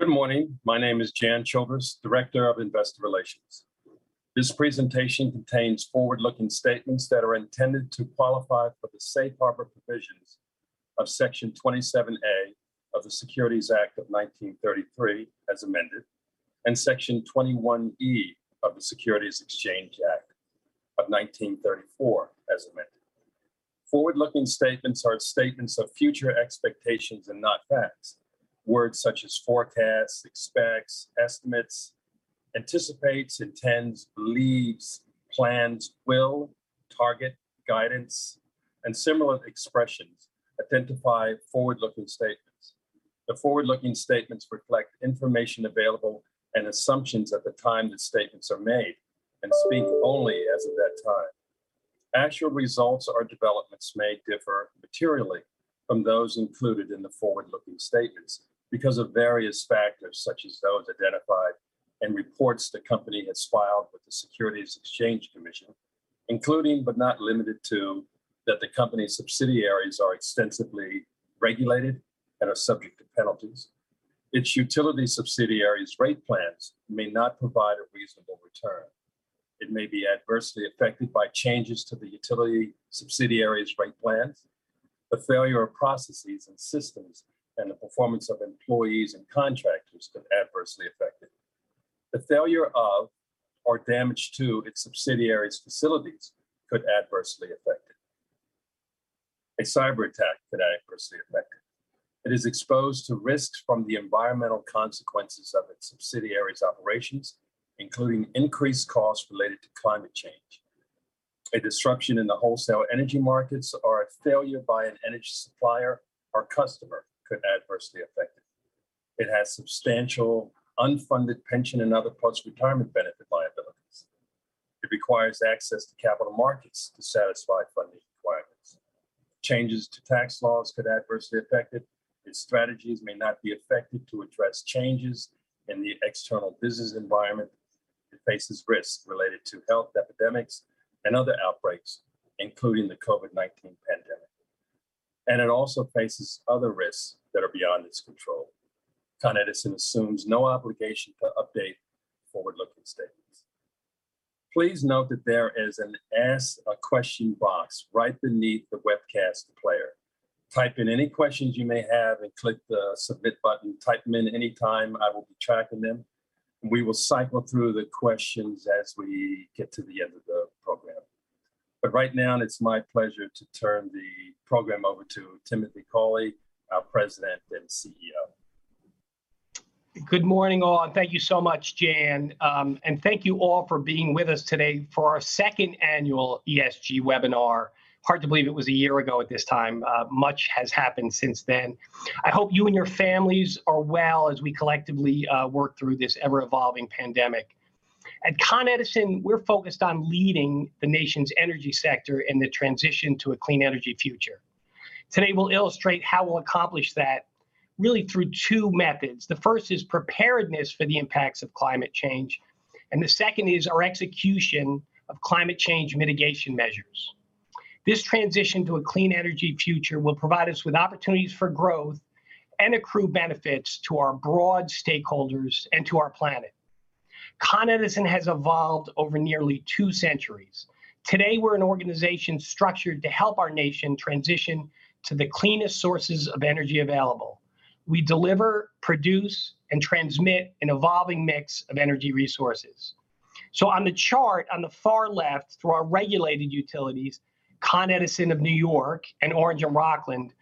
Good morning. My name is Jan Childress, Director, Investor Relations. This presentation contains forward-looking statements that are intended to qualify for the safe harbor provisions of Section 27 of the Securities Act of 1933, as amended, and Section 21E of the Securities Exchange Act of 1934, as amended. Forward-looking statements are statements of future expectations and not facts. Words such as forecasts, expects, estimates, anticipates, intends, believes, plans, will, target, guidance, and similar expressions identify forward-looking statements. The forward-looking statements reflect information available and assumptions at the time the statements are made and speak only as of that time. Actual results or developments may differ materially from those included in the forward-looking statements because of various factors, such as those identified in reports the company has filed with the Securities and Exchange Commission, including, but not limited to, that the company's subsidiaries are extensively regulated and are subject to penalties. Its utility subsidiaries rate plans may not provide a reasonable return. It may be adversely affected by changes to the utility subsidiaries rate plans. The failure of processes and systems and the performance of employees and contractors could adversely affect it. The failure of, or damage to its subsidiaries' facilities could adversely affect it. A cyberattack could adversely affect it. It is exposed to risks from the environmental consequences of its subsidiaries' operations, including increased costs related to climate change. A disruption in the wholesale energy markets or a failure by an energy supplier or customer could adversely affect it. It has substantial unfunded pension and other post-retirement benefit liabilities. It requires access to capital markets to satisfy funding requirements. Changes to tax laws could adversely affect it. Its strategies may not be effective to address changes in the external business environment. It faces risks related to health epidemics and other outbreaks, including the COVID-19 pandemic, and it also faces other risks that are beyond its control. Con Edison assumes no obligation to update forward-looking statements. Please note that there is an Ask a Question box right beneath the webcast player. Type in any questions you may have and click the submit button. Type them in anytime. I will be tracking them, and we will cycle through the questions as we get to the end of the program. Right now, it's my pleasure to turn the program over to Timothy Cawley, our President and CEO. Good morning, all. Thank you so much, Jan. Thank you all for being with us today for our second annual ESG webinar. Hard to believe it was a year ago at this time. Much has happened since then. I hope you and your families are well as we collectively work through this ever-evolving pandemic. At Con Edison, we're focused on leading the nation's energy sector in the transition to a clean energy future. Today, we'll illustrate how we'll accomplish that really through two methods. The first is preparedness for the impacts of climate change, and the second is our execution of climate change mitigation measures. This transition to a clean energy future will provide us with opportunities for growth and accrue benefits to our broad stakeholders and to our planet. Con Edison has evolved over nearly two centuries. Today, we're an organization structured to help our nation transition to the cleanest sources of energy available. We deliver, produce, and transmit an evolving mix of energy resources. On the chart on the far left, through our regulated utilities, Con Edison of New York and Orange and Rockland,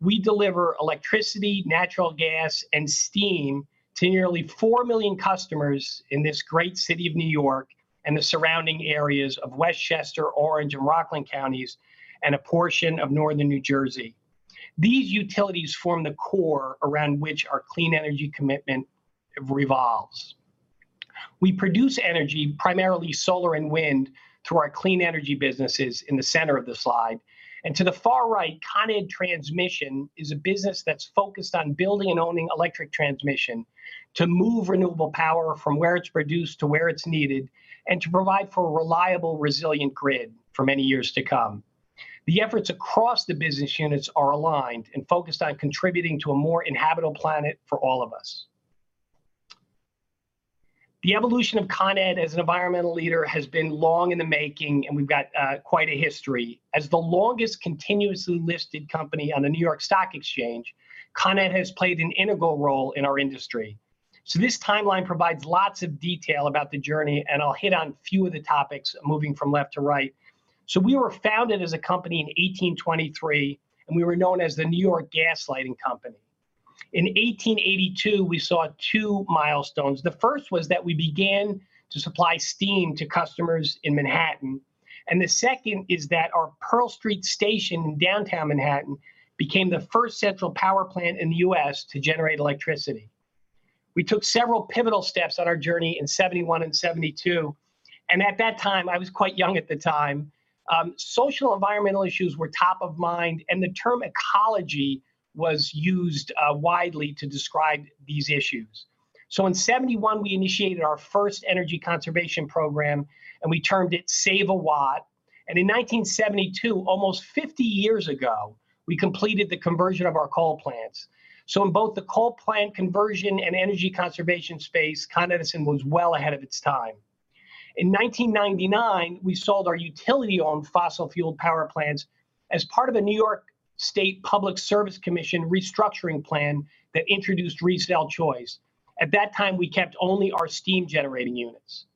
we deliver electricity, natural gas, and steam to nearly 4 million customers in this great city of New York and the surrounding areas of Westchester, Orange, and Rockland Counties, and a portion of northern New Jersey. These utilities form the core around which our clean energy commitment revolves. We produce energy, primarily solar and wind, through our clean energy businesses in the center of the slide. To the far right, Con Ed Transmission is a business that's focused on building and owning electric transmission to move renewable power from where it's produced to where it's needed, and to provide for a reliable, resilient grid for many years to come. The efforts across the business units are aligned and focused on contributing to a more inhabitable planet for all of us. The evolution of Con Ed as an environmental leader has been long in the making, and we've got quite a history. As the longest continuously listed company on the New York Stock Exchange, Con Ed has played an integral role in our industry. This timeline provides lots of detail about the journey, and I'll hit on a few of the topics moving from left to right. We were founded as a company in 1823, and we were known as the New York Gas Light Company. In 1882, we saw two milestones. The first was that we began to supply steam to customers in Manhattan, and the second is that our Pearl Street Station in downtown Manhattan became the first central power plant in the U.S. to generate electricity. We took several pivotal steps on our journey in 1971 and 1972, and at that time, I was quite young at the time, social environmental issues were top of mind, and the term ecology was used widely to describe these issues. In 1971, we initiated our first energy conservation program, and we termed it Save-a-Watt. In 1972, almost 50 years ago, we completed the conversion of our coal plants. In both the coal plant conversion and energy conservation space, Con Edison was well ahead of its time. In 1999, we sold our utility-owned fossil fuel power plants as part of a New York State Public Service Commission restructuring plan that introduced resale choice. At that time, we kept only our steam generating units.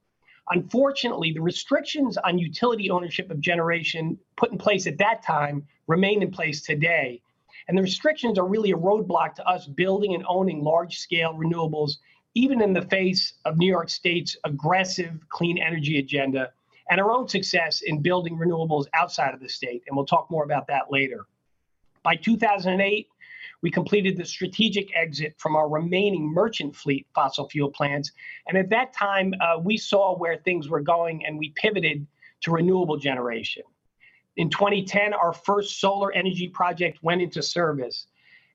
Unfortunately, the restrictions on utility ownership of generation put in place at that time remain in place today, and the restrictions are really a roadblock to us building and owning large-scale renewables, even in the face of New York State's aggressive clean energy agenda and our own success in building renewables outside of the state, and we'll talk more about that later. By 2008, we completed the strategic exit from our remaining merchant fleet fossil fuel plants, and at that time, we saw where things were going, and we pivoted to renewable generation. In 2010, our first solar energy project went into service.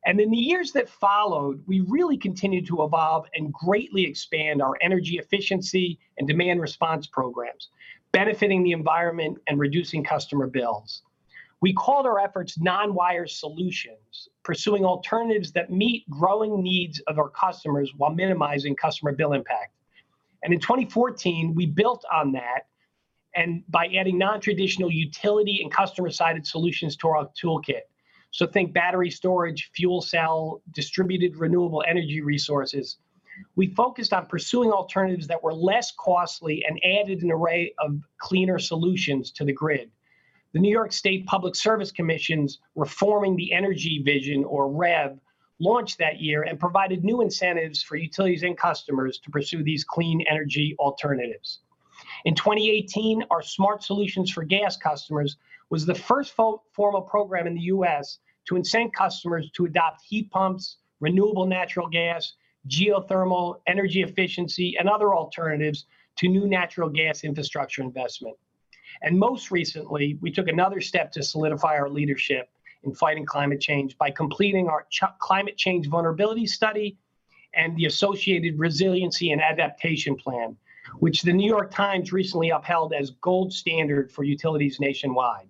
In the years that followed, we really continued to evolve and greatly expand our energy efficiency and demand response programs, benefiting the environment and reducing customer bills. We called our efforts non-wire solutions, pursuing alternatives that meet growing needs of our customers while minimizing customer bill impact. In 2014, we built on that, by adding non-traditional utility and customer-sided solutions to our toolkit. Think battery storage, fuel cell, distributed renewable energy resources. We focused on pursuing alternatives that were less costly and added an array of cleaner solutions to the grid. The New York State Public Service Commission's Reforming the Energy Vision, or REV, launched that year and provided new incentives for utilities and customers to pursue these clean energy alternatives. In 2018, our Smart Solutions for Gas Customers was the first formal program in the U.S. to incent customers to adopt heat pumps, renewable natural gas, geothermal, energy efficiency, and other alternatives to new natural gas infrastructure investment. Most recently, we took another step to solidify our leadership in fighting climate change by completing our climate change vulnerability study and the associated resiliency and adaptation plan, which The New York Times recently upheld as gold standard for utilities nationwide.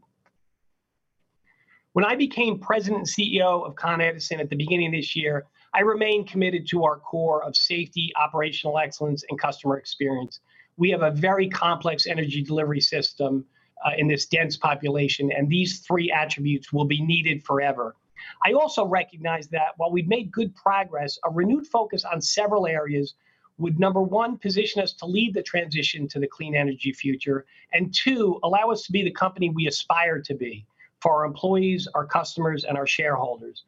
When I became President and CEO of Con Edison at the beginning of this year, I remained committed to our core of safety, operational excellence, and customer experience. We have a very complex energy delivery system, in this dense population, these three attributes will be needed forever. I also recognize that while we've made good progress, a renewed focus on several areas would, number one, position us to lead the transition to the clean energy future, and two, allow us to be the company we aspire to be for our employees, our customers, and our shareholders.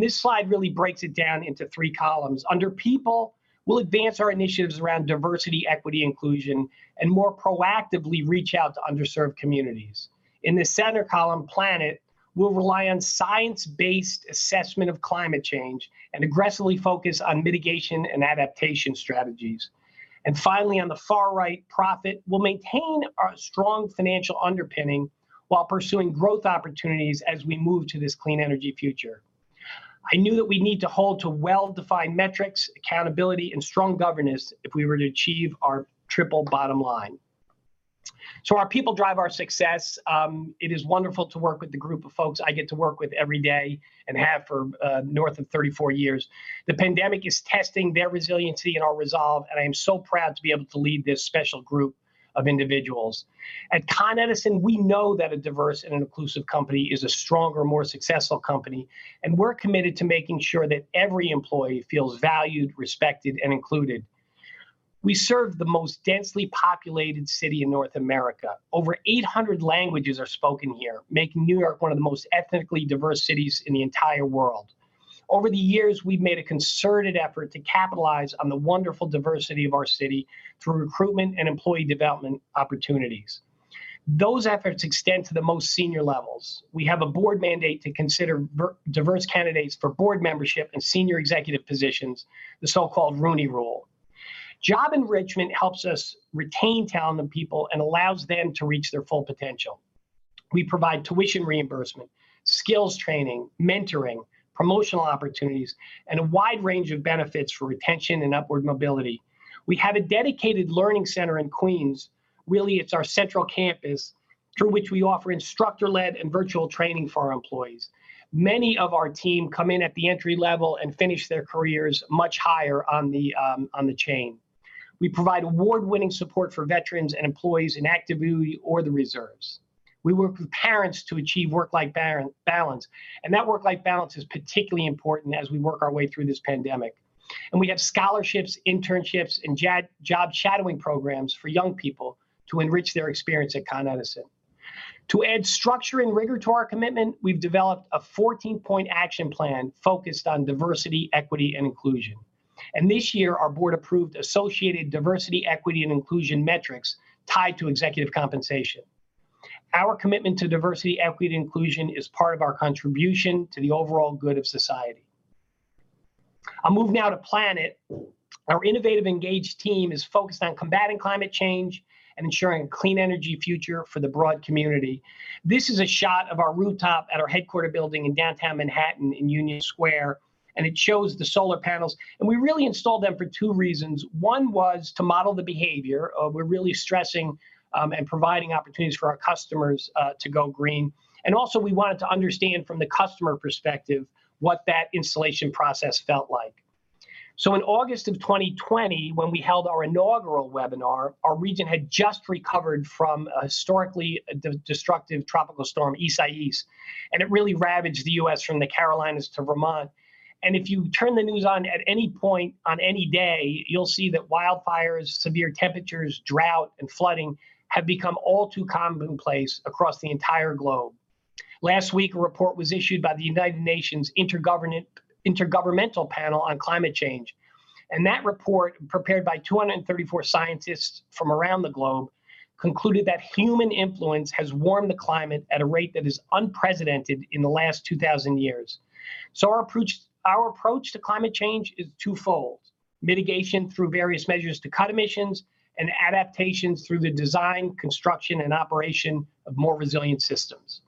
This slide really breaks it down into three columns. Under people, we'll advance our initiatives around diversity, equity, inclusion, and more proactively reach out to underserved communities. In the center column, planet, we'll rely on science-based assessment of climate change and aggressively focus on mitigation and adaptation strategies. Finally, on the far right, profit, we'll maintain our strong financial underpinning while pursuing growth opportunities as we move to this clean energy future. I knew that we'd need to hold to well-defined metrics, accountability, and strong governance if we were to achieve our triple bottom line. Our people drive our success. It is wonderful to work with the group of folks I get to work with every day and have for north of 34 years. The pandemic is testing their resiliency and our resolve, and I am so proud to be able to lead this special group of individuals. At Con Edison, we know that a diverse and inclusive company is a stronger, more successful company, and we're committed to making sure that every employee feels valued, respected, and included. We serve the most densely populated city in North America. Over 800 languages are spoken here, making New York one of the most ethnically diverse cities in the entire world. Over the years, we've made a concerted effort to capitalize on the wonderful diversity of our city through recruitment and employee development opportunities. Those efforts extend to the most senior levels. We have a board mandate to consider diverse candidates for board membership and senior executive positions, the so-called Rooney Rule. Job enrichment helps us retain talented people and allows them to reach their full potential. We provide tuition reimbursement, skills training, mentoring, promotional opportunities, and a wide range of benefits for retention and upward mobility. We have a dedicated learning center in Queens, really it's our central campus, through which we offer instructor-led and virtual training for our employees. Many of our team come in at the entry level and finish their careers much higher on the chain. We provide award-winning support for veterans and employees in active duty or the reserves. We work with parents to achieve work-life balance, and that work-life balance is particularly important as we work our way through this pandemic. We have scholarships, internships, and job shadowing programs for young people to enrich their experience at Con Edison. To add structure and rigor to our commitment, we've developed a 14-point action plan focused on diversity, equity, and inclusion. This year, our Board approved associated diversity, equity, and inclusion metrics tied to executive compensation. Our commitment to diversity, equity, and inclusion is part of our contribution to the overall good of society. I'll move now to planet. Our innovative engaged team is focused on combating climate change and ensuring a clean energy future for the broad community. This is a shot of our rooftop at our headquarter building in downtown Manhattan in Union Square, and it shows the solar panels. We really installed them for two reasons. One was to model the behavior. We're really stressing, and providing opportunities for our customers to go green. We wanted to understand from the customer perspective what that installation process felt like. In August of 2020, when we held our inaugural webinar, our region had just recovered from a historically destructive Tropical Storm Isaias, and it really ravaged the U.S. from the Carolinas to Vermont. If you turn the news on at any point on any day, you'll see that wildfires, severe temperatures, drought, and flooding have become all too commonplace across the entire globe. Last week, a report was issued by the United Nations Intergovernmental Panel on Climate Change, that report, prepared by 234 scientists from around the globe, concluded that human influence has warmed the climate at a rate that is unprecedented in the last 2,000 years. Our approach to climate change is twofold, mitigation through various measures to cut emissions and adaptations through the design, construction, and operation of more resilient systems.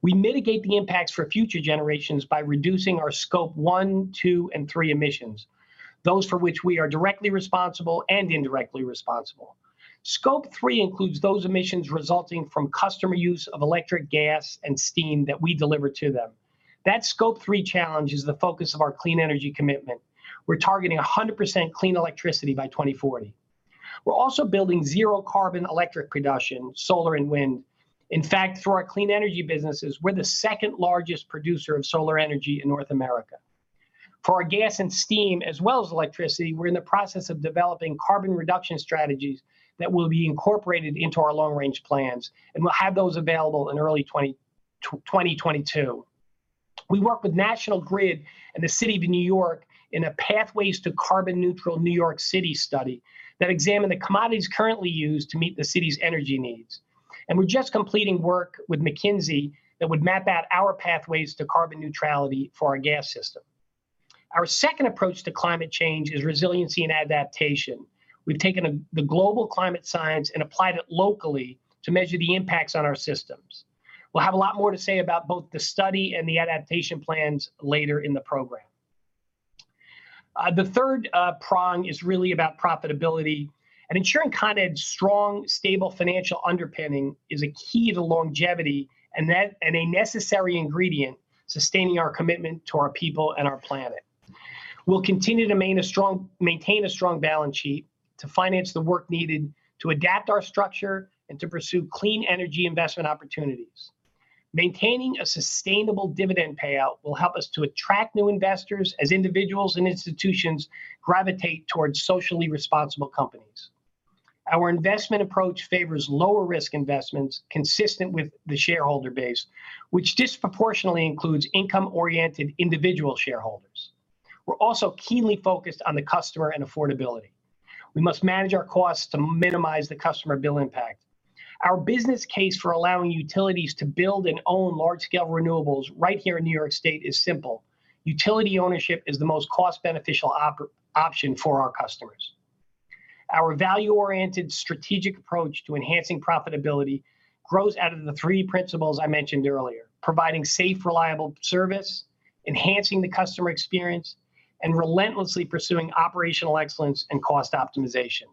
We mitigate the impacts for future generations by reducing our Scope I, II, and III emissions, those for which we are directly responsible and indirectly responsible. Scope III includes those emissions resulting from customer use of electric, gas, and steam that we deliver to them. That Scope III challenge is the focus of our clean energy commitment. We're targeting 100% clean electricity by 2040. We're also building zero carbon electric production, solar and wind. In fact, through our Con Edison Clean Energy Businesses, we're the second largest producer of solar energy in North America. For our gas and steam, as well as electricity, we're in the process of developing carbon reduction strategies that will be incorporated into our long-range plans. We'll have those available in early 2022. We work with National Grid and the City of New York in a Pathways to Carbon Neutral New York City study that examined the commodities currently used to meet the city's energy needs. We're just completing work with McKinsey that would map out our pathways to carbon neutrality for our gas system. Our second approach to climate change is resiliency and adaptation. We've taken the global climate science and applied it locally to measure the impacts on our systems. We'll have a lot more to say about both the study and the adaptation plans later in the program. The third prong is really about profitability, ensuring Con Ed's strong, stable financial underpinning is a key to longevity and a necessary ingredient sustaining our commitment to our people and our planet. We'll continue to maintain a strong balance sheet to finance the work needed to adapt our structure and to pursue clean energy investment opportunities. Maintaining a sustainable dividend payout will help us to attract new investors as individuals and institutions gravitate towards socially responsible companies. Our investment approach favors lower-risk investments consistent with the shareholder base, which disproportionately includes income-oriented individual shareholders. We're also keenly focused on the customer and affordability. We must manage our costs to minimize the customer bill impact. Our business case for allowing utilities to build and own large-scale renewables right here in New York State is simple. Utility ownership is the most cost-beneficial option for our customers. Our value-oriented strategic approach to enhancing profitability grows out of the three principles I mentioned earlier, providing safe, reliable service, enhancing the customer experience, and relentlessly pursuing operational excellence and cost optimization.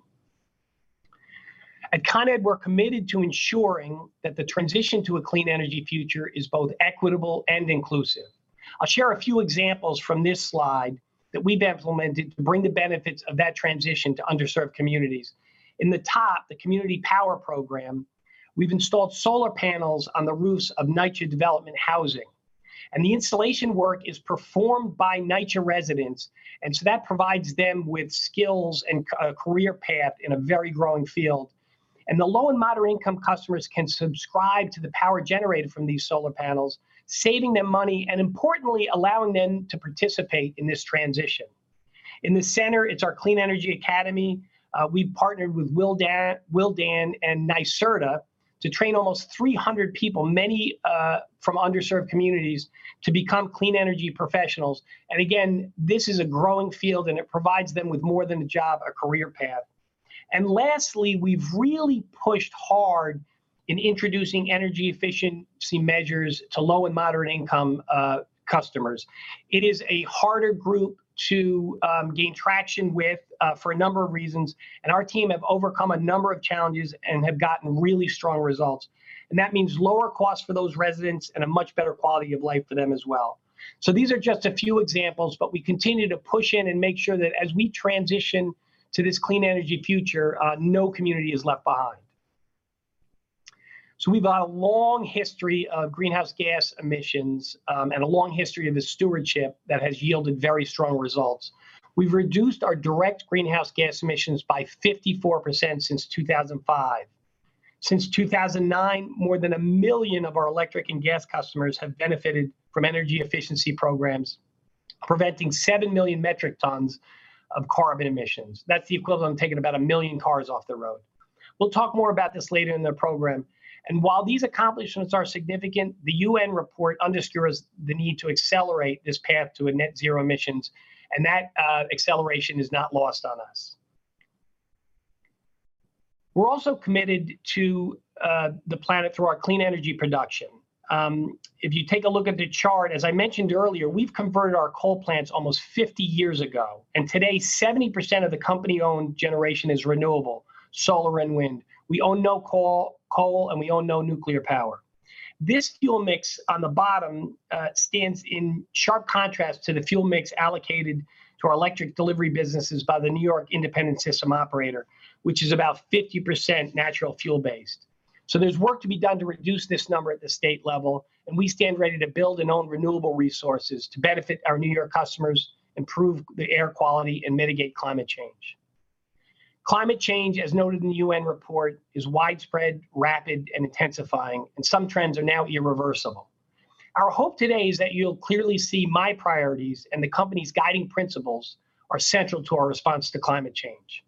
At Con Ed, we're committed to ensuring that the transition to a clean energy future is both equitable and inclusive. I'll share a few examples from this slide that we've implemented to bring the benefits of that transition to underserved communities. In the top, the Community Power Program, we've installed solar panels on the roofs of NYCHA development housing. The installation work is performed by NYCHA residents, that provides them with skills and a career path in a very growing field. The low and moderate-income customers can subscribe to the power generated from these solar panels, saving them money and importantly, allowing them to participate in this transition. In the center, it's our Clean Energy Academy. We've partnered with Willdan and NYSERDA to train almost 300 people, many from underserved communities, to become clean energy professionals. Again, this is a growing field, and it provides them with more than a job, a career path. Lastly, we've really pushed hard in introducing energy efficiency measures to low and moderate-income customers. It is a harder group to gain traction with for a number of reasons, and our team have overcome a number of challenges and have gotten really strong results. That means lower costs for those residents and a much better quality of life for them as well. These are just a few examples, but we continue to push in and make sure that as we transition to this clean energy future, no community is left behind. We've a long history of greenhouse gas emissions, and a long history of the stewardship that has yielded very strong results. We've reduced our direct greenhouse gas emissions by 54% since 2005. Since 2009, more than 1 million of our electric and gas customers have benefited from energy efficiency programs, preventing 7 million metric tons of carbon emissions. That's the equivalent of taking about 1 million cars off the road. We'll talk more about this later in the program. While these accomplishments are significant, the UN report underscores the need to accelerate this path to a net zero emissions, and that acceleration is not lost on us. We're also committed to the planet through our clean energy production. If you take a look at the chart, as I mentioned earlier, we've converted our coal plants almost 50 years ago, and today 70% of the company-owned generation is renewable, solar and wind. We own no coal, and we own no nuclear power. This fuel mix on the bottom stands in sharp contrast to the fuel mix allocated to our electric delivery businesses by the New York Independent System Operator, which is about 50% natural fuel-based. There's work to be done to reduce this number at the state level, and we stand ready to build and own renewable resources to benefit our New York customers, improve the air quality and mitigate climate change. Climate change, as noted in the UN report, is widespread, rapid and intensifying, and some trends are now irreversible. Our hope today is that you'll clearly see my priorities and the company's guiding principles are central to our response to climate change.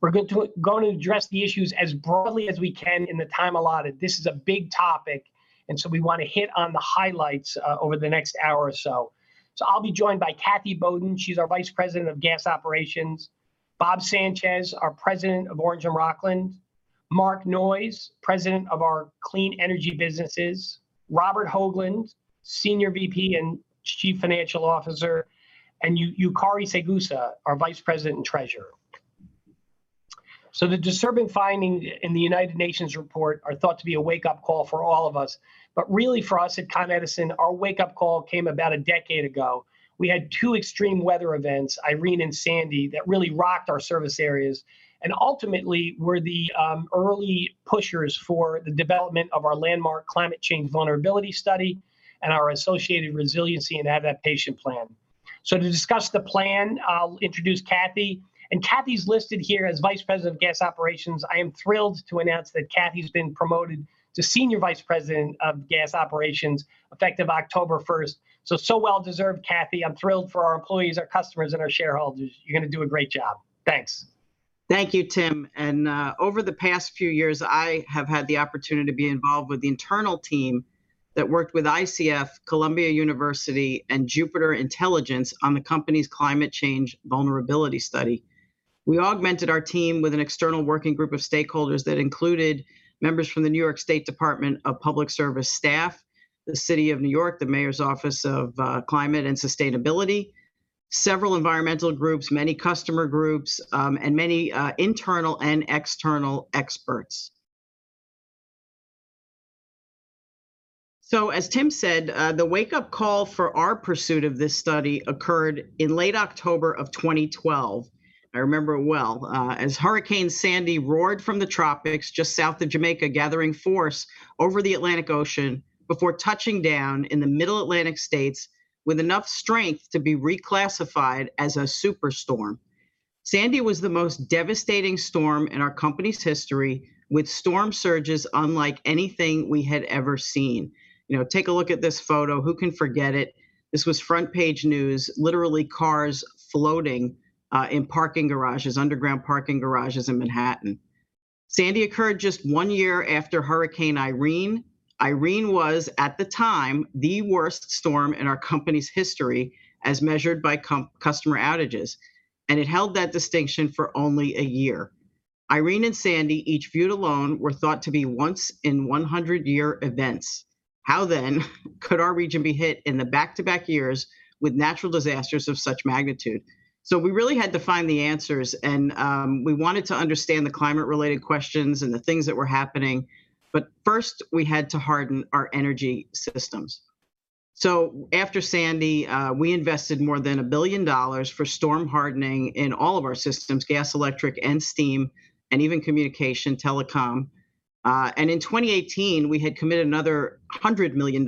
We're going to address the issues as broadly as we can in the time allotted. This is a big topic, and so we want to hit on the highlights over the next hour or so. I'll be joined by Kathy Boden. She's our Vice President of Gas Operations, Bob Sanchez, our President of Orange and Rockland. Mark Noyes, President of our Clean Energy Businesses. Robert Hoglund, Senior VP and Chief Financial Officer, and Yukari Saegusa, our Vice President and Treasurer. The disturbing finding in the United Nations report are thought to be a wake-up call for all of us, but really for us at Con Edison, our wake-up call came about a decade ago. We had two extreme weather events, Irene and Sandy, that really rocked our service areas and ultimately were the early pushers for the development of our landmark climate change vulnerability study and our associated resiliency and adaptation plan. To discuss the plan, I'll introduce Cathy, and Cathy's listed here as Vice President of Gas Operations. I am thrilled to announce that Cathy's been promoted to Senior Vice President of Gas Operations effective October 1st. Well deserved, Cathy. I'm thrilled for our employees, our customers, and our shareholders. You're going to do a great job. Thanks. Thank you, Tim, over the past few years, I have had the opportunity to be involved with the internal team that worked with ICF, Columbia University, and Jupiter Intelligence on the company's climate change vulnerability study. We augmented our team with an external working group of stakeholders that included members from the New York State Department of Public Service staff, the City of New York, the Mayor's Office of Climate and Sustainability, several environmental groups, many customer groups, and many internal and external experts. As Tim said, the wake-up call for our pursuit of this study occurred in late October of 2012. I remember it well. As Hurricane Sandy roared from the tropics just south of Jamaica, gathering force over the Atlantic Ocean before touching down in the middle Atlantic states with enough strength to be reclassified as a super storm. Sandy was the most devastating storm in our company's history, with storm surges unlike anything we had ever seen. Take a look at this photo. Who can forget it? This was front-page news. Literally cars floating in parking garages, underground parking garages in Manhattan. Sandy occurred just one year after Hurricane Irene. Irene was, at the time, the worst storm in our company's history, as measured by customer outages, and it held that distinction for only a year. Irene and Sandy, each viewed alone, were thought to be once in 100-year events. How could our region be hit in the back-to-back years with natural disasters of such magnitude? We really had to find the answers, and we wanted to understand the climate-related questions and the things that were happening, but first we had to harden our energy systems. After Sandy, we invested more than $1 billion for storm hardening in all of our systems, gas, electric, and steam, and even communication, telecom. In 2018, we had committed another $100 million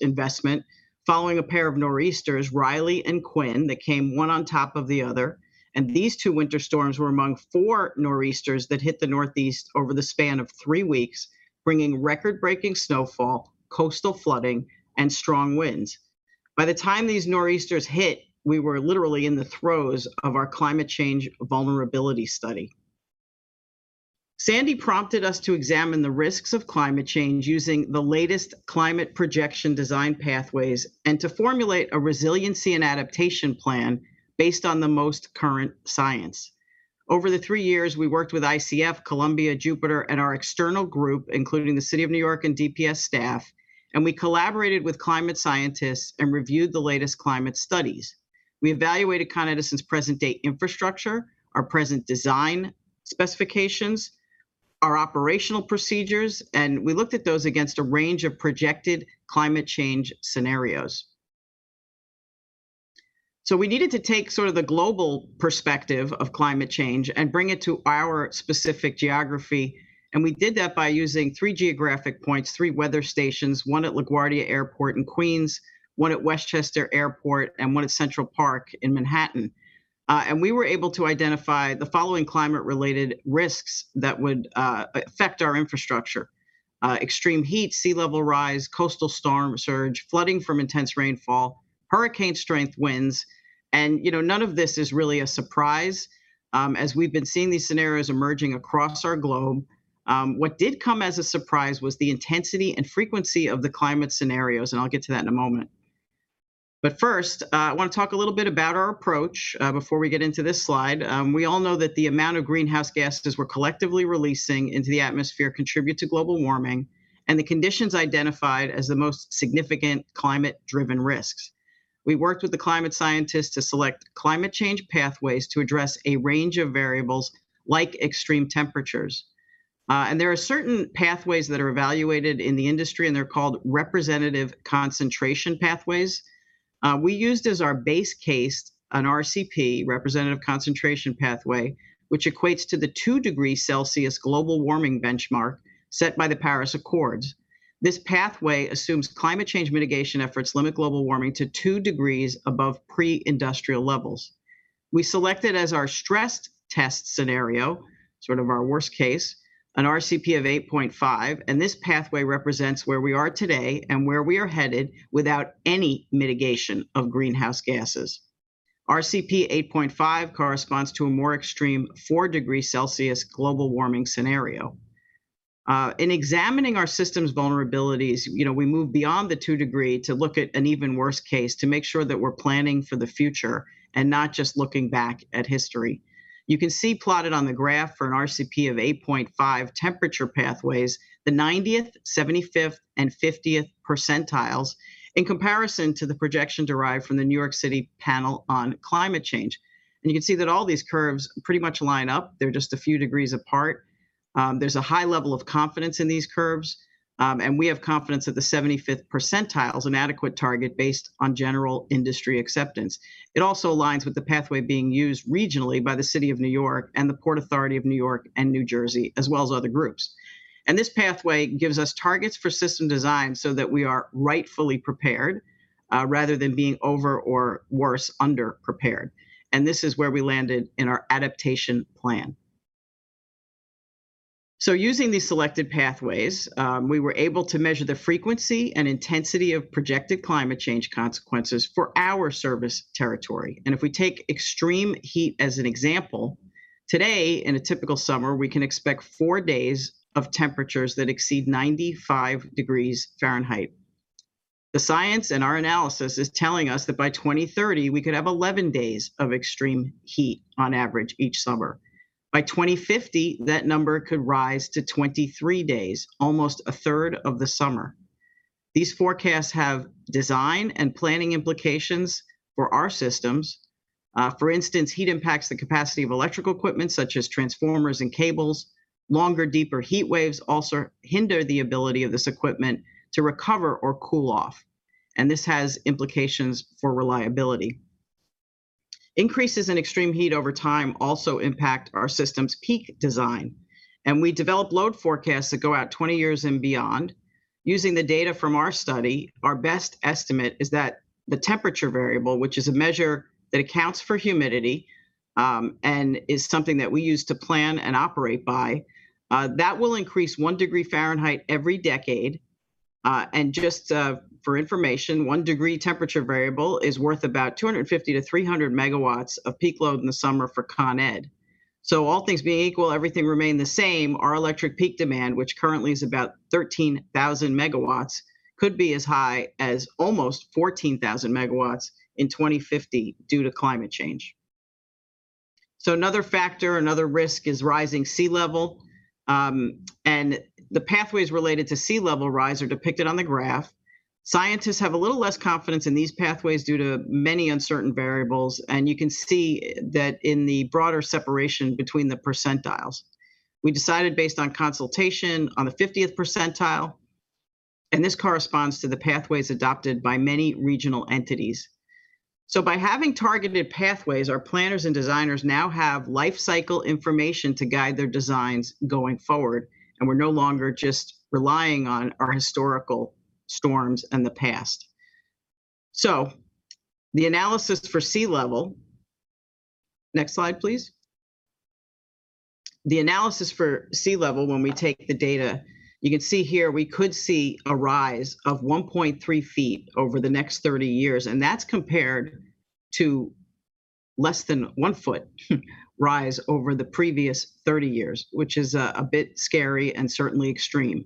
investment following a pair of nor'easters, Riley and Quinn, that came one on top of the other. These two winter storms were among four nor'easters that hit the Northeast over the span of three weeks, bringing record-breaking snowfall, coastal flooding, and strong winds. By the time these nor'easters hit, we were literally in the throes of our climate change vulnerability study. Sandy prompted us to examine the risks of climate change using the latest climate projection design pathways and to formulate a resiliency and adaptation plan based on the most current science. Over the three years we worked with ICF, Columbia, Jupiter, and our external group, including the City of New York and DPS staff, and we collaborated with climate scientists and reviewed the latest climate studies. We evaluated Con Edison's present-day infrastructure, our present design specifications, our operational procedures, and we looked at those against a range of projected climate change scenarios. We needed to take sort of the global perspective of climate change and bring it to our specific geography, and we did that by using three geographic points, three weather stations, one at LaGuardia Airport in Queens, one at Westchester Airport, and one at Central Park in Manhattan. We were able to identify the following climate-related risks that would affect our infrastructure. Extreme heat, sea level rise, coastal storm surge, flooding from intense rainfall, hurricane strength winds. None of this is really a surprise as we've been seeing these scenarios emerging across our globe. What did come as a surprise was the intensity and frequency of the climate scenarios. I'll get to that in a moment. First, I want to talk a little bit about our approach before we get into this slide. We all know that the amount of greenhouse gases we're collectively releasing into the atmosphere contribute to global warming and the conditions identified as the most significant climate-driven risks. We worked with the climate scientists to select climate change pathways to address a range of variables like extreme temperatures. There are certain pathways that are evaluated in the industry, and they're called Representative Concentration Pathways. We used as our base case an RCP, Representative Concentration Pathway, which equates to the 2 degree Celsius global warming benchmark set by the Paris Accord. This pathway assumes climate change mitigation efforts limit global warming to 2 degrees above pre-industrial levels. We selected as our stressed test scenario, sort of our worst case, an RCP of 8.5. This pathway represents where we are today and where we are headed without any mitigation of greenhouse gases. RCP 8.5 corresponds to a more extreme 4 degree Celsius global warming scenario. In examining our system's vulnerabilities, we move beyond the 2 degree to look at an even worse case to make sure that we're planning for the future and not just looking back at history. You can see plotted on the graph for an RCP of 8.5 temperature pathways, the 90th, 75th, and 50th percentiles in comparison to the projection derived from the New York City Panel on Climate Change. You can see that all these curves pretty much line up. They're just a few degrees apart. There's a high level of confidence in these curves, and we have confidence that the 75th percentile is an adequate target based on general industry acceptance. It also aligns with the pathway being used regionally by the City of New York and the Port Authority of New York and New Jersey, as well as other groups. This pathway gives us targets for system design so that we are rightfully prepared, rather than being over or worse, under-prepared. This is where we landed in our adaptation plan. Using these selected pathways, we were able to measure the frequency and intensity of projected climate change consequences for our service territory. If we take extreme heat as an example, today, in a typical summer, we can expect four days of temperatures that exceed 95 degrees Fahrenheit. The science and our analysis is telling us that by 2030, we could have 11 days of extreme heat on average each summer. By 2050, that number could rise to 23 days, almost a third of the summer. These forecasts have design and planning implications for our systems. For instance, heat impacts the capacity of electrical equipment such as transformers and cables. Longer, deeper heat waves also hinder the ability of this equipment to recover or cool off, and this has implications for reliability. Increases in extreme heat over time also impact our system's peak design, and we develop load forecasts that go out 20 years and beyond. Using the data from our study, our best estimate is that the temperature variable, which is a measure that accounts for humidity, and is something that we use to plan and operate by, that will increase 1 degree Fahrenheit every decade. Just for information, 1 degree temperature variable is worth about 250 MW-300 MW of peak load in the summer for Con Ed. All things being equal, everything remain the same, our electric peak demand, which currently is about 13,000 MW, could be as high as almost 14,000 MW in 2050 due to climate change. Another factor, another risk is rising sea level, and the pathways related to sea level rise are depicted on the graph. Scientists have a little less confidence in these pathways due to many uncertain variables. You can see that in the broader separation between the percentiles. We decided based on consultation on the 50th percentile. This corresponds to the pathways adopted by many regional entities. By having targeted pathways, our planners and designers now have life cycle information to guide their designs going forward, and we're no longer just relying on our historical storms and the past. The analysis for sea level. Next slide, please. The analysis for sea level, when we take the data, you can see here we could see a rise of 1.3 ft over the next 30 years, and that's compared to less than 1 ft rise over the previous 30 years, which is a bit scary and certainly extreme.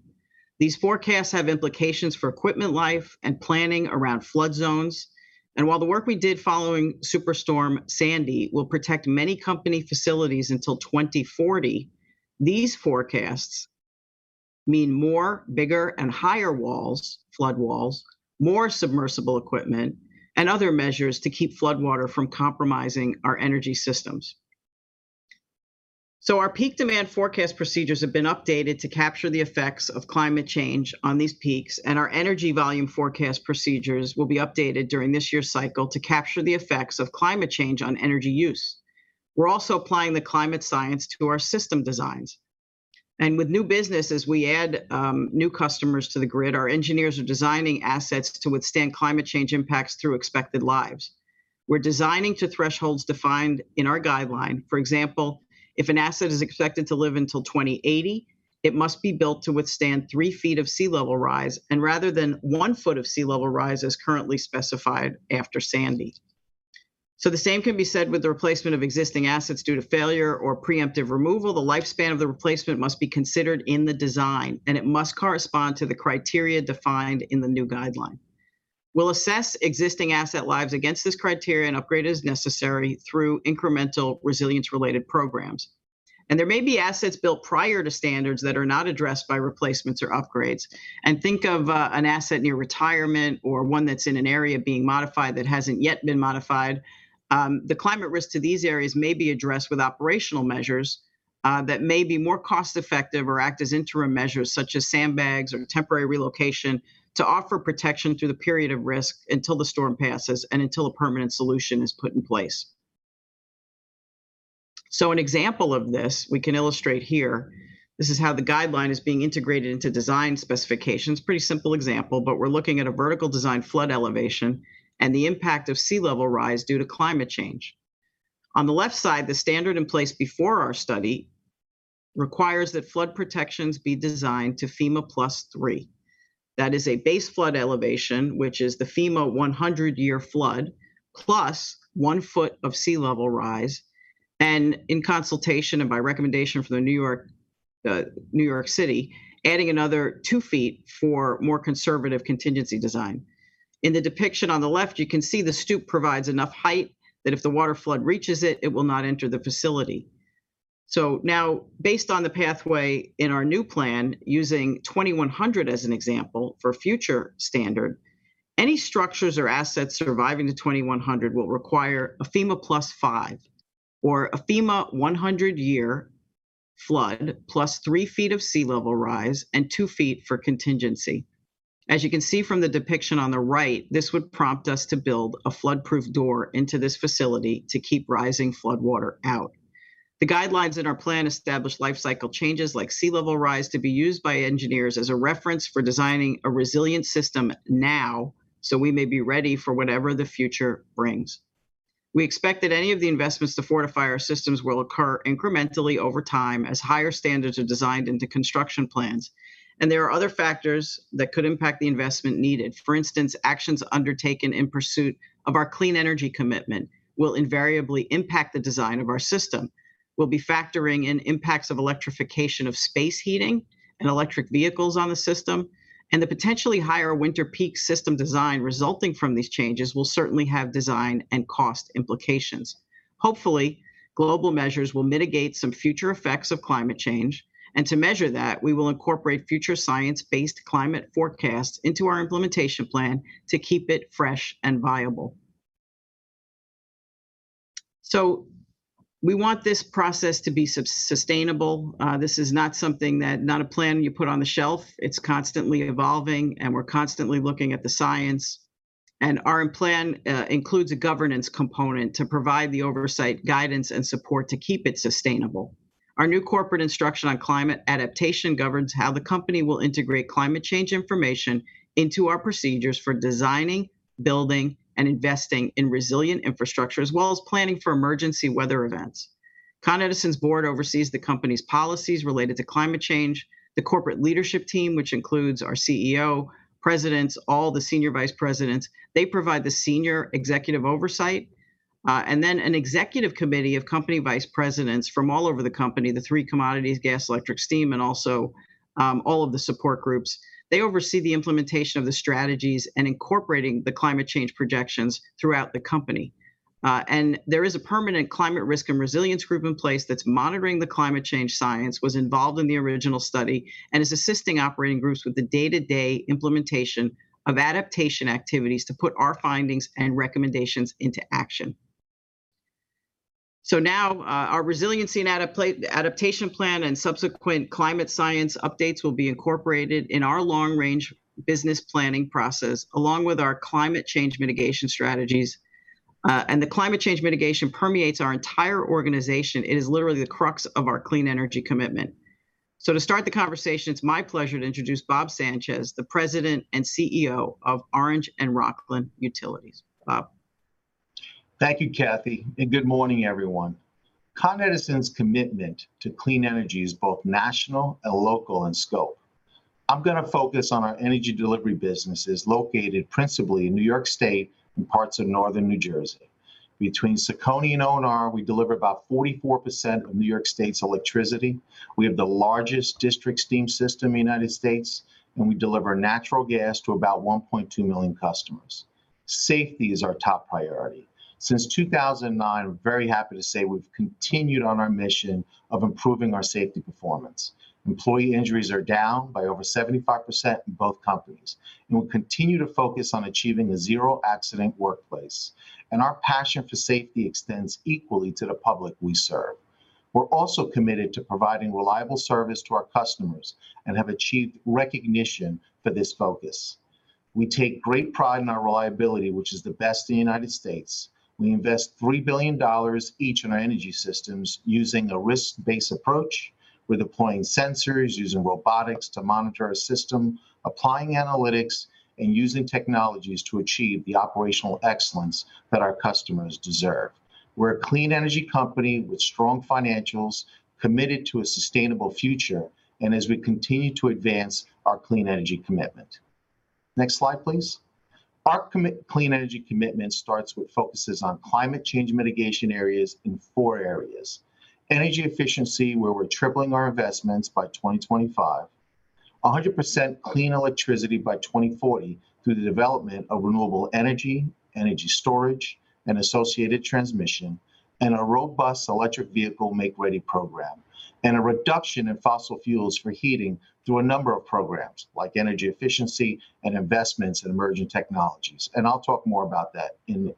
These forecasts have implications for equipment life and planning around flood zones. While the work we did following Superstorm Sandy will protect many company facilities until 2040, these forecasts mean more, bigger, and higher walls, flood walls, more submersible equipment, and other measures to keep floodwater from compromising our energy systems. Our peak demand forecast procedures have been updated to capture the effects of climate change on these peaks, and our energy volume forecast procedures will be updated during this year's cycle to capture the effects of climate change on energy use. We're also applying the climate science to our system designs. With new business, as we add new customers to the grid, our engineers are designing assets to withstand climate change impacts through expected lives. We're designing to thresholds defined in our guideline. For example, if an asset is expected to live until 2080, it must be built to withstand 3 ft of sea level rise rather than 1 ft of sea level rise as currently specified after Sandy. The same can be said with the replacement of existing assets due to failure or preemptive removal. The lifespan of the replacement must be considered in the design, and it must correspond to the criteria defined in the new guideline. We'll assess existing asset lives against this criteria and upgrade as necessary through incremental resilience-related programs. There may be assets built prior to standards that are not addressed by replacements or upgrades. Think of an asset near retirement or one that's in an area being modified that hasn't yet been modified. The climate risk to these areas may be addressed with operational measures, that may be more cost-effective or act as interim measures such as sandbags or temporary relocation to offer protection through the period of risk until the storm passes and until a permanent solution is put in place. An example of this, we can illustrate here. This is how the guideline is being integrated into design specifications. Pretty simple example, but we're looking at a vertical design flood elevation and the impact of sea level rise due to climate change. On the left side, the standard in place before our study requires that flood protections be designed to FEMA +3. That is a base flood elevation, which is the FEMA 100-year flood, +1 ft of sea level rise, and in consultation and by recommendation for New York City, adding another 2 ft for more conservative contingency design. In the depiction on the left, you can see the stoop provides enough height that if the water flood reaches it will not enter the facility. Now based on the pathway in our new plan, using 2100 as an example for future standard, any structures or assets surviving to 2100 will require a FEMA +5 or a FEMA 100-year flood +3 ft of sea level rise and 2 ft for contingency. As you can see from the depiction on the right, this would prompt us to build a flood-proof door into this facility to keep rising floodwater out. The guidelines in our plan establish lifecycle changes like sea level rise to be used by engineers as a reference for designing a resilient system now, so we may be ready for whatever the future brings. We expect that any of the investments to fortify our systems will occur incrementally over time as higher standards are designed into construction plans. There are other factors that could impact the investment needed. For instance, actions undertaken in pursuit of our Clean Energy Commitment will invariably impact the design of our system. We'll be factoring in impacts of electrification of space heating and electric vehicles on the system, and the potentially higher winter peak system design resulting from these changes will certainly have design and cost implications. Hopefully, global measures will mitigate some future effects of climate change. To measure that, we will incorporate future science-based climate forecasts into our implementation plan to keep it fresh and viable. We want this process to be sustainable. This is not a plan you put on the shelf. It's constantly evolving. We're constantly looking at the science. Our plan includes a governance component to provide the oversight, guidance, and support to keep it sustainable. Our new corporate instruction on climate adaptation governs how the company will integrate climate change information into our procedures for designing, building, and investing in resilient infrastructure, as well as planning for emergency weather events. Con Edison's Board oversees the company's policies related to climate change. The corporate leadership team, which includes our CEO, Presidents, all the Senior Vice Presidents, they provide the senior executive oversight. Then an executive committee of company Vice Presidents from all over the company, the three commodities, gas, electric, steam, and also all of the support groups, they oversee the implementation of the strategies and incorporating the climate change projections throughout the company. There is a permanent climate risk and resilience group in place that's monitoring the climate change science, was involved in the original study, and is assisting operating groups with the day-to-day implementation of adaptation activities to put our findings and recommendations into action. Now, our resiliency and adaptation plan and subsequent climate science updates will be incorporated in our long-range business planning process, along with our climate change mitigation strategies. The climate change mitigation permeates our entire organization. It is literally the crux of our clean energy commitment. To start the conversation, it's my pleasure to introduce Bob Sanchez, the President and CEO of Orange and Rockland Utilities. Bob? Thank you, Katherine, good morning, everyone. Con Edison's commitment to clean energy is both national and local in scope. I'm going to focus on our energy delivery businesses located principally in New York State and parts of northern New Jersey. Between CECONY and O&R, we deliver about 44% of New York State's electricity. We have the largest district steam system in the U.S., we deliver natural gas to about 1.2 million customers. Safety is our top priority. Since 2009, we're very happy to say we've continued on our mission of improving our safety performance. Employee injuries are down by over 75% in both companies, we'll continue to focus on achieving a zero-accident workplace. Our passion for safety extends equally to the public we serve. We're also committed to providing reliable service to our customers and have achieved recognition for this focus. We take great pride in our reliability, which is the best in the United States. We invest $3 billion each in our energy systems using a risk-based approach. We're deploying sensors, using robotics to monitor our system, applying analytics, and using technologies to achieve the operational excellence that our customers deserve. We're a clean energy company with strong financials, committed to a sustainable future, as we continue to advance our clean energy commitment. Next slide, please. Our clean energy commitment starts with focuses on climate change mitigation areas in four areas. Energy efficiency, where we're tripling our investments by 2025, 100% clean electricity by 2040 through the development of renewable energy storage, and associated transmission, and a robust electric vehicle Make-Ready Program, and a reduction in fossil fuels for heating through a number of programs, like energy efficiency and investments in emerging technologies. I'll talk more about that in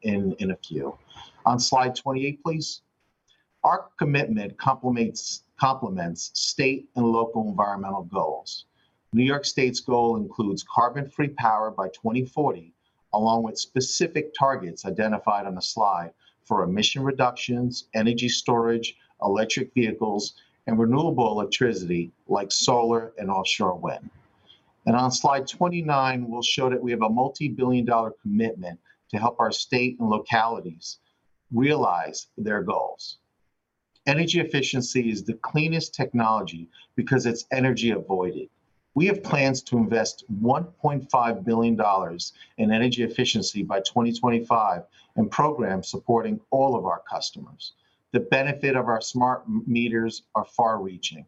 a few. On slide 28, please. Our commitment complements state and local environmental goals. New York State's goal includes carbon-free power by 2040, along with specific targets identified on the slide for emission reductions, energy storage, electric vehicles, and renewable electricity like solar and offshore wind. On slide 29, we'll show that we have a multi-billion dollar commitment to help our state and localities realize their goals. Energy efficiency is the cleanest technology because it's energy avoided. We have plans to invest $1.5 billion in energy efficiency by 2025, and programs supporting all of our customers. The benefit of our smart meters are far reaching.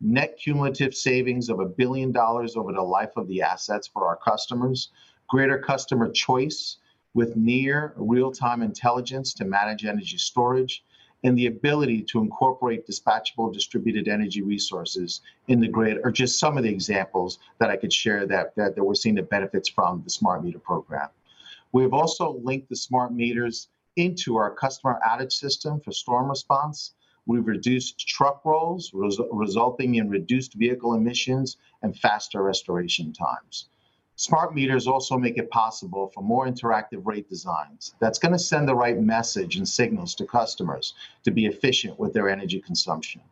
Net cumulative savings of $1 billion over the life of the assets for our customers, greater customer choice with near real-time intelligence to manage energy storage, and the ability to incorporate dispatchable distributed energy resources in the grid are just some of the examples that I could share that we're seeing the benefits from the smart meter program. We have also linked the smart meters into our customer outage system for storm response. We've reduced truck rolls, resulting in reduced vehicle emissions and faster restoration times. Smart meters also make it possible for more interactive rate designs. That's going to send the right message and signals to customers to be efficient with their energy consumption.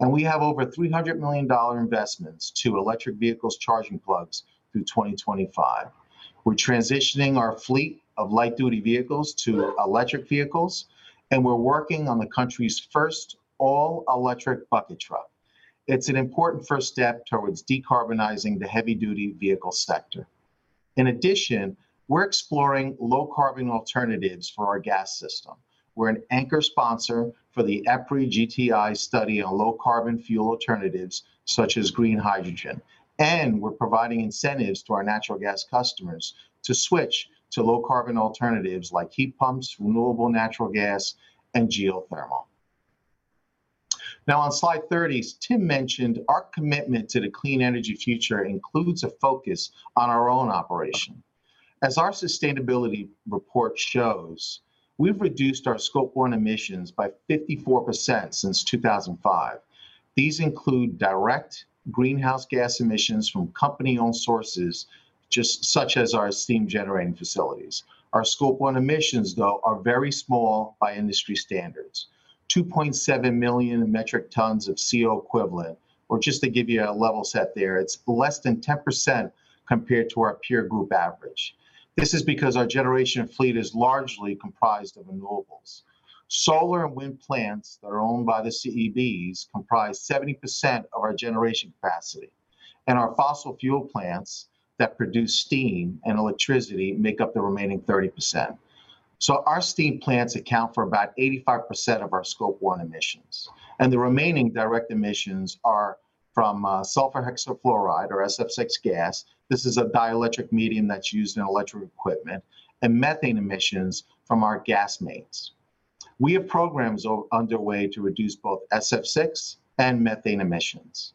We have over $300 million investments to electric vehicles charging plugs through 2025. We're transitioning our fleet of light duty vehicles to electric vehicles, and we're working on the country's first all-electric bucket truck. It's an important first step towards decarbonizing the heavy duty vehicle sector. In addition, we're exploring low carbon alternatives for our gas system. We're an anchor sponsor for the EPRI-GTI study on low carbon fuel alternatives such as green hydrogen, and we're providing incentives to our natural gas customers to switch to low carbon alternatives like heat pumps, renewable natural gas, and geothermal. On slide 30, as Tim mentioned, our commitment to the clean energy future includes a focus on our own operation. As our sustainability report shows, we've reduced our Scope I emissions by 54% since 2005. These include direct greenhouse gas emissions from company-owned sources, such as our steam generating facilities. Our Scope I emissions, though, are very small by industry standards, 2.7 million metric tons of CO2 equivalent, or just to give you a level set there, it's less than 10% compared to our peer group average. This is because our generation fleet is largely comprised of renewables. Solar and wind plants that are owned by the CEBs comprise 70% of our generation capacity, and our fossil fuel plants that produce steam and electricity make up the remaining 30%. Our steam plants account for about 85% of our Scope I emissions, and the remaining direct emissions are from sulfur hexafluoride or SF6 gas, this is a dielectric medium that's used in electric equipment, and methane emissions from our gas mains. We have programs underway to reduce both SF6 and methane emissions.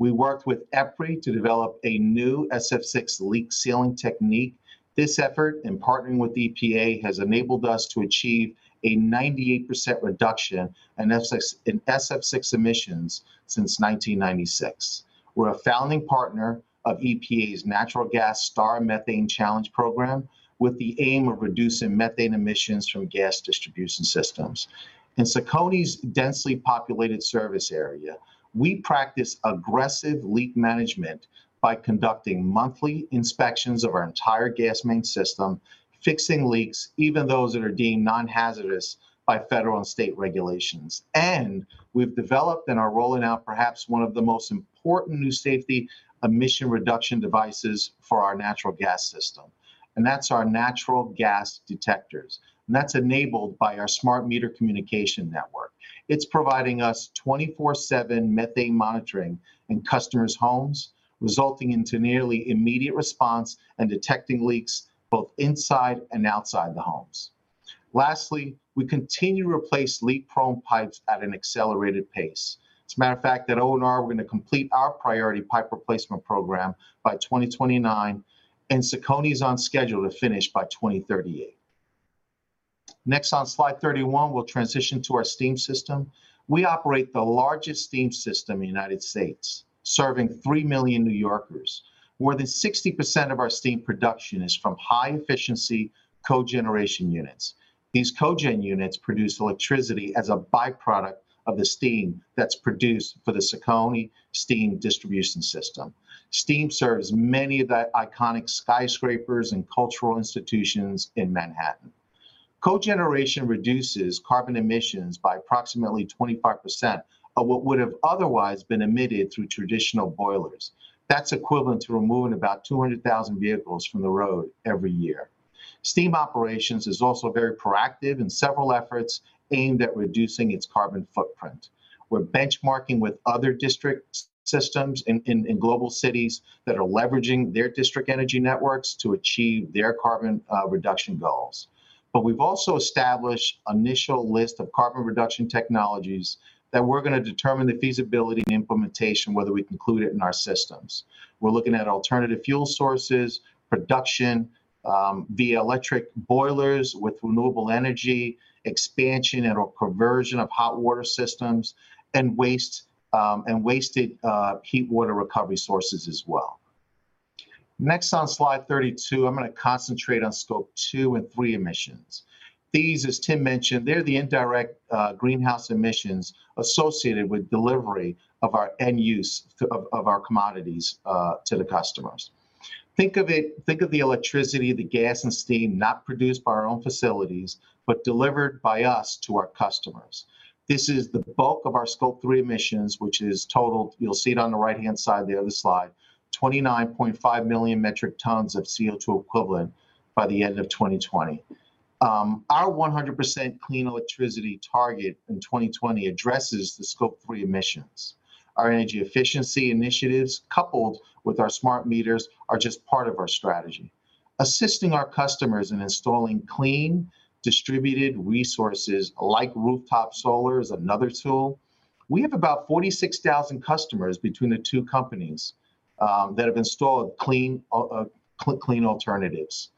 We worked with EPRI to develop a new SF6 leak sealing technique. This effort, in partnering with the EPA, has enabled us to achieve a 98% reduction in SF6 emissions since 1996. We're a founding partner of EPA's Natural Gas STAR Methane Challenge program, with the aim of reducing methane emissions from gas distribution systems. In CECONY's densely populated service area, we practice aggressive leak management by conducting monthly inspections of our entire gas main system, fixing leaks, even those that are deemed non-hazardous by federal and state regulations. We've developed and are rolling out perhaps one of the most important new safety emission reduction devices for our natural gas system, and that's our natural gas detectors, and that's enabled by our smart meter communication network. It's providing us 24/7 methane monitoring in customers' homes, resulting into nearly immediate response and detecting leaks both inside and outside the homes. Lastly, we continue to replace leak-prone pipes at an accelerated pace. As a matter of fact, at O&R, we're going to complete our priority pipe replacement program by 2029. CECONY is on schedule to finish by 2038. On slide 31, we'll transition to our steam system. We operate the largest steam system in the U.S., serving 3 million New Yorkers. More than 60% of our steam production is from high-efficiency cogeneration units. These cogen units produce electricity as a byproduct of the steam that's produced for the CECONY steam distribution system. Steam serves many of the iconic skyscrapers and cultural institutions in Manhattan. Cogeneration reduces carbon emissions by approximately 25% of what would have otherwise been emitted through traditional boilers. That's equivalent to removing about 200,000 vehicles from the road every year. Steam operations is also very proactive in several efforts aimed at reducing its carbon footprint. We're benchmarking with other district systems in global cities that are leveraging their district energy networks to achieve their carbon reduction goals. We've also established initial list of carbon reduction technologies that we're going to determine the feasibility and implementation, whether we include it in our systems. We're looking at alternative fuel sources, production via electric boilers with renewable energy, expansion and/or conversion of hot water systems, and wasted heat water recovery sources as well. Next on slide 32, I'm going to concentrate on Scope II and III emissions. These, as Tim mentioned, they're the indirect greenhouse emissions associated with delivery of our end use of our commodities to the customers. Think of the electricity, the gas, and steam not produced by our own facilities, but delivered by us to our customers. This is the bulk of our Scope III emissions, which is totaled, you'll see it on the right-hand side of the other slide, 29.5 million metric tons of CO2 equivalent by the end of 2020. Our 100% clean electricity target in 2020 addresses the Scope III emissions. Our energy efficiency initiatives, coupled with our smart meters, are just part of our strategy. Assisting our customers in installing clean, distributed resources like rooftop solar is another tool. We have about 46,000 customers between the two companies that have installed clean alternatives.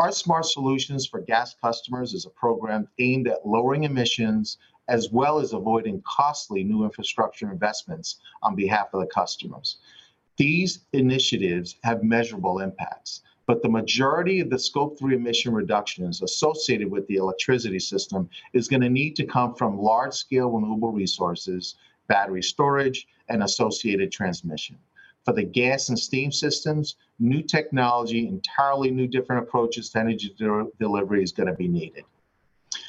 Our Smart Solutions for Gas Customers is a program aimed at lowering emissions as well as avoiding costly new infrastructure investments on behalf of the customers. These initiatives have measurable impacts, but the majority of the Scope III emission reductions associated with the electricity system is going to need to come from large-scale renewable resources, battery storage, and associated transmission. For the gas and steam systems, new technology, entirely new different approaches to energy delivery is going to be needed.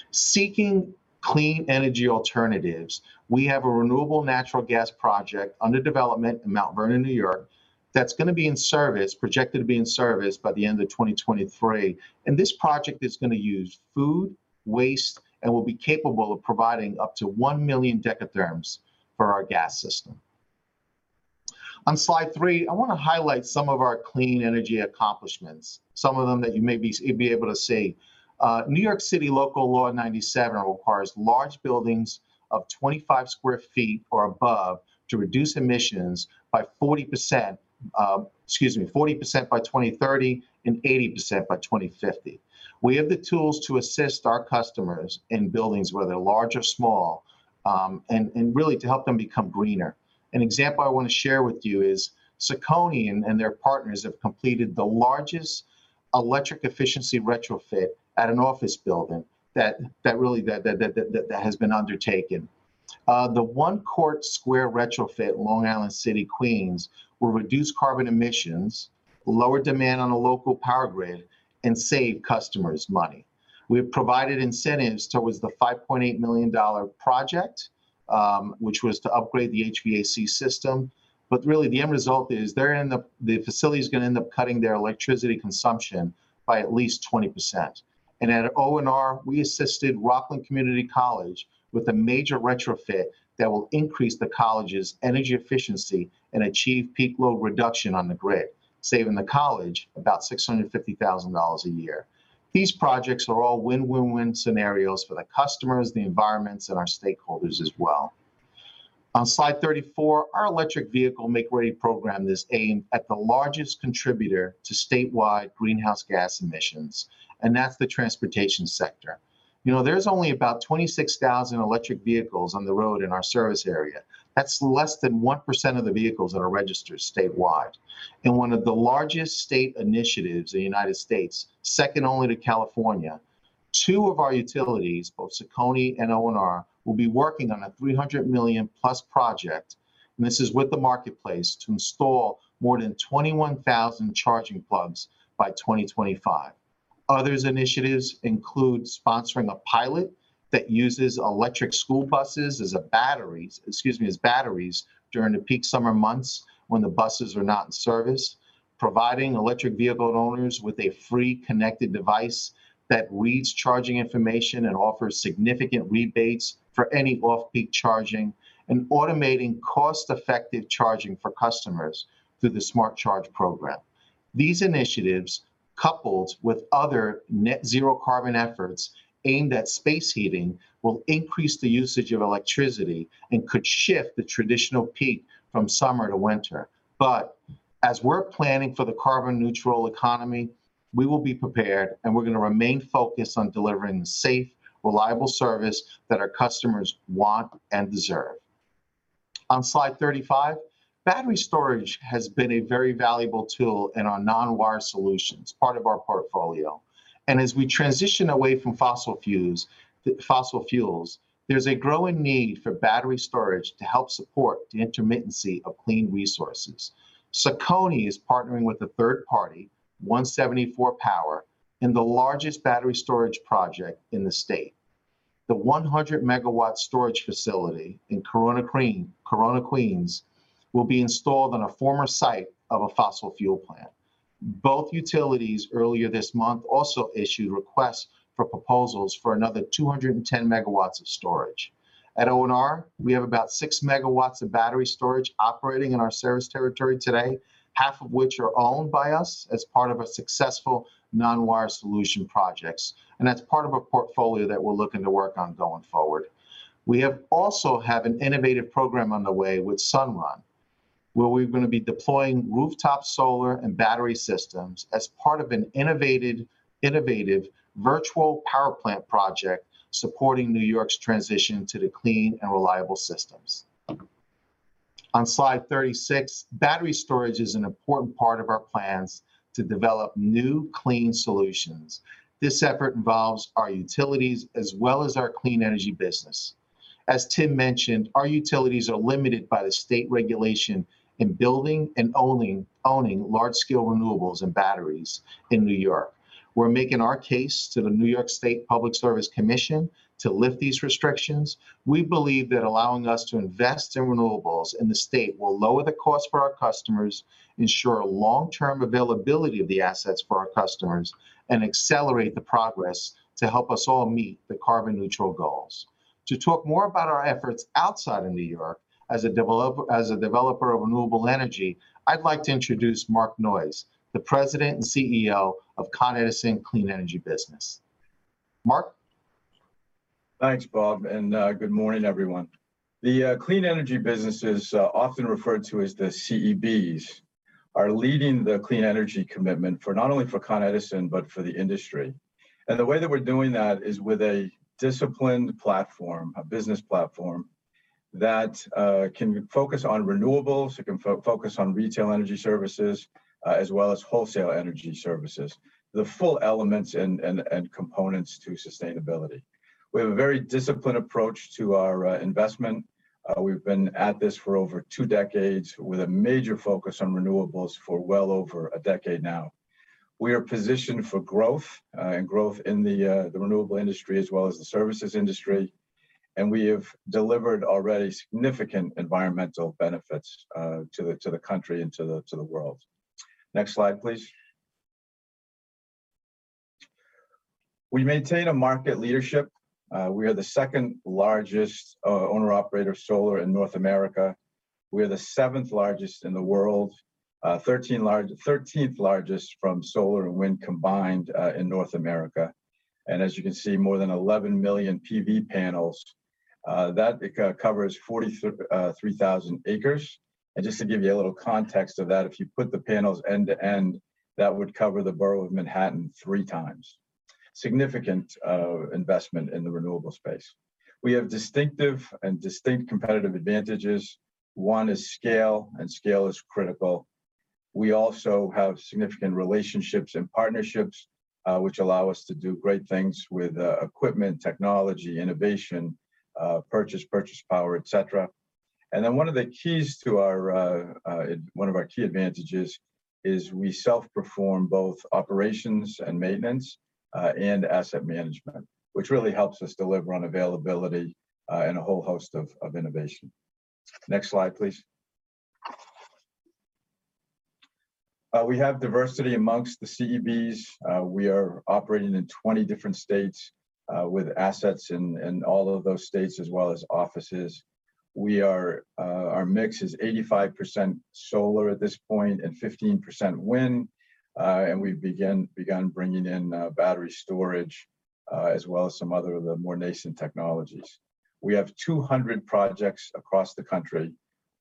Seeking clean energy alternatives, we have a renewable natural gas project under development in Mount Vernon, New York, that's going to be in service, projected to be in service by the end of 2023. This project is going to use food waste and will be capable of providing up to 1 million dekatherms for our gas system. On slide three, I want to highlight some of our clean energy accomplishments, some of them that you may be able to see. New York City Local Law 97 requires large buildings of 25 sq ft or above to reduce emissions by 40% by 2030 and 80% by 2050. We have the tools to assist our customers in buildings, whether they're large or small, and really to help them become greener. An example I want to share with you is CECONY and their partners have completed the largest electric efficiency retrofit at an office building that has been undertaken. The One Court Square retrofit in Long Island City, Queens, will reduce carbon emissions, lower demand on a local power grid, and save customers money. We have provided incentives towards the $5.8 million project, which was to upgrade the HVAC system. Really the end result is the facility is going to end up cutting their electricity consumption by at least 20%. At O&R, we assisted Rockland Community College with a major retrofit that will increase the college's energy efficiency and achieve peak load reduction on the grid, saving the college about $650,000 a year. These projects are all win-win-win scenarios for the customers, the environments, and our stakeholders as well. On slide 34, our electric vehicle Make-Ready Program is aimed at the largest contributor to statewide greenhouse gas emissions, and that's the transportation sector. There's only about 26,000 electric vehicles on the road in our service area. That's less than 1% of the vehicles that are registered statewide. In one of the largest state initiatives in the United States, second only to California, two of our utilities, both CECONY and O&R, will be working on a $300 million+ project, and this is with the marketplace, to install more than 21,000 charging plugs by 2025. Other initiatives include sponsoring a pilot that uses electric school buses as batteries during the peak summer months when the buses are not in service, providing electric vehicle owners with a free connected device that reads charging information and offers significant rebates for any off-peak charging, and automating cost-effective charging for customers through the SmartCharge program. These initiatives, coupled with other net zero carbon efforts aimed at space heating, will increase the usage of electricity and could shift the traditional peak from summer to winter. As we're planning for the carbon neutral economy, we will be prepared, and we're going to remain focused on delivering safe, reliable service that our customers want and deserve. On slide 35, battery storage has been a very valuable tool in our non-wire solutions, part of our portfolio. As we transition away from fossil fuels, there's a growing need for battery storage to help support the intermittency of clean resources. CECONY is partnering with a third party, 174 Power, in the largest battery storage project in the state. The 100 MW storage facility in Corona, Queens, will be installed on a former site of a fossil fuel plant. Both utilities, earlier this month, also issued requests for proposals for another 210 MW of storage. At O&R, we have about 6 MW of battery storage operating in our service territory today, half of which are owned by us as part of a successful non-wire solution projects. That's part of a portfolio that we're looking to work on going forward. We also have an innovative program on the way with Sunrun, where we're going to be deploying rooftop solar and battery systems as part of an innovative virtual power plant project supporting New York's transition to the clean and reliable systems. On slide 36, battery storage is an important part of our plans to develop new clean solutions. This effort involves our utilities as well as our clean energy business. As Tim mentioned, our utilities are limited by the state regulation in building and owning large scale renewables and batteries in New York. We're making our case to the New York State Public Service Commission to lift these restrictions. We believe that allowing us to invest in renewables in the state will lower the cost for our customers, ensure long-term availability of the assets for our customers, and accelerate the progress to help us all meet the carbon neutral goals. To talk more about our efforts outside of New York as a developer of renewable energy, I'd like to introduce Mark Noyes, the President and CEO of Con Edison Clean Energy Businesses. Mark? Thanks, Bob. Good morning, everyone. The Clean Energy Businesses, often referred to as the CEBs, are leading the clean energy commitment for not only for Con Edison, but for the industry. The way that we're doing that is with a disciplined platform, a business platform, that can focus on renewables, it can focus on retail energy services, as well as wholesale energy services, the full elements and components to sustainability. We have a very disciplined approach to our investment. We've been at this for over two decades with a major focus on renewables for well over a decade now. We are positioned for growth, and growth in the renewable industry as well as the services industry, and we have delivered already significant environmental benefits to the country and to the world. Next slide, please. We maintain a market leadership. We are the second largest owner-operator of solar in North America. We are the seventh largest in the world, 13th largest from solar and wind combined, in North America. As you can see, more than 11 million PV panels. That covers 43,000 acres. Just to give you a little context of that, if you put the panels end to end, that would cover the borough of Manhattan three times. Significant investment in the renewable space. We have distinctive and distinct competitive advantages. One is scale, and scale is critical. We also have significant relationships and partnerships, which allow us to do great things with equipment, technology, innovation, purchase power, etc. One of our key advantages is we self-perform both operations and maintenance, and asset management, which really helps us deliver on availability, and a whole host of innovation. Next slide, please. We have diversity amongst the CEBs. We are operating in 20 different states, with assets in all of those states, as well as offices. Our mix is 85% solar at this point and 15% wind. We've begun bringing in battery storage, as well as some other of the more nascent technologies. We have 200 projects across the country,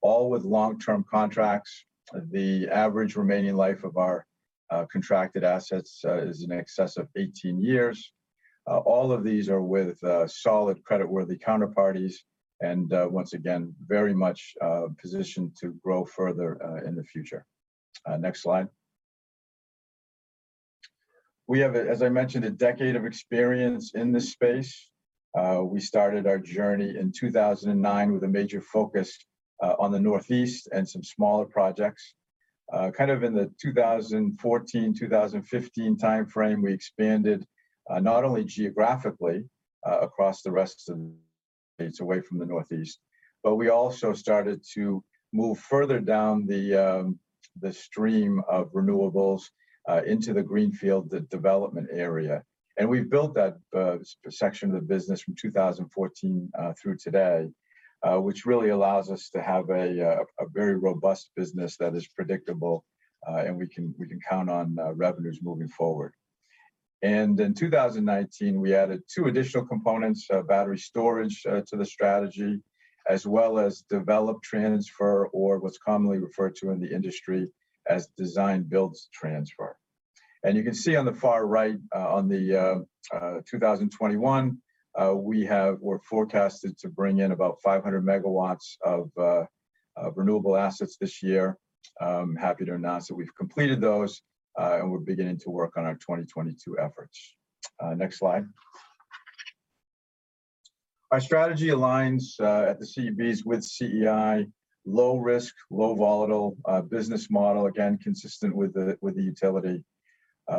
all with long-term contracts. The average remaining life of our contracted assets is in excess of 18 years. All of these are with solid creditworthy counterparties, and once again, very much positioned to grow further in the future. Next slide. We have, as I mentioned, a decade of experience in this space. We started our journey in 2009 with a major focus on the Northeast and some smaller projects. In the 2014, 2015 timeframe, we expanded, not only geographically, across the rest of the states away from the Northeast, but we also started to move further down the stream of renewables into the Greenfield, the development area. We've built that section of the business from 2014 through today, which really allows us to have a very robust business that is predictable, and we can count on revenues moving forward. In 2019, we added two additional components, battery storage to the strategy, as well as develop, transfer, or what's commonly referred to in the industry as design, build, transfer. You can see on the far right on the 2021, we're forecasted to bring in about 500 MW of renewable assets this year. I'm happy to announce that we've completed those, and we're beginning to work on our 2022 efforts. Next slide. Our strategy aligns, at the CEBs with CEI, low risk, low volatile business model, again, consistent with the utility.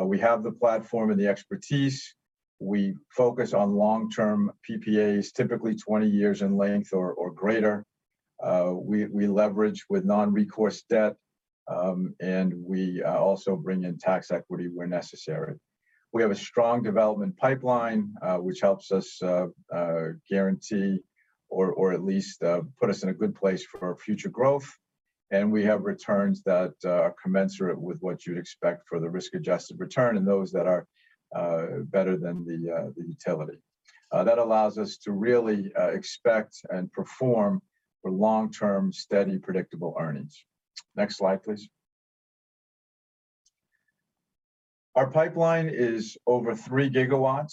We have the platform and the expertise. We focus on long-term PPAs, typically 20 years in length or greater. We leverage with non-recourse debt, and we also bring in tax equity where necessary. We have a strong development pipeline, which helps us guarantee or at least put us in a good place for our future growth. We have returns that are commensurate with what you'd expect for the risk-adjusted return and those that are better than the utility. That allows us to really expect and perform for long-term, steady, predictable earnings. Next slide, please. Our pipeline is over 3 GW,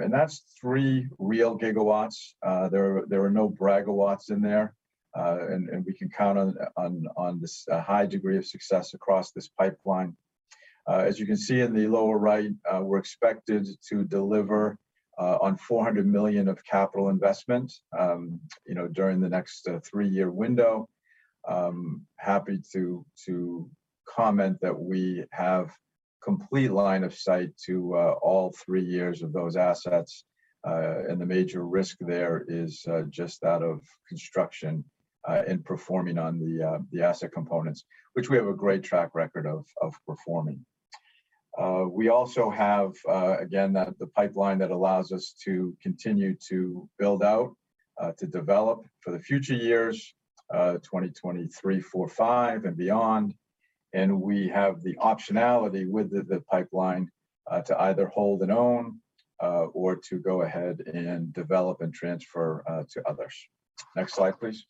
and that's 3 GW. There are no bragawatts in there. We can count on this high degree of success across this pipeline. As you can see in the lower right, we're expected to deliver on $400 million of capital investment during the next three-year window. I'm happy to comment that we have complete line of sight to all three years of those assets. The major risk there is just that of construction and performing on the asset components, which we have a great track record of performing. We also have, again, the pipeline that allows us to continue to build out, to develop for the future years, 2023, 2024, 2025, and beyond. We have the optionality with the pipeline to either hold and own or to go ahead and develop and transfer to others. Next slide, please.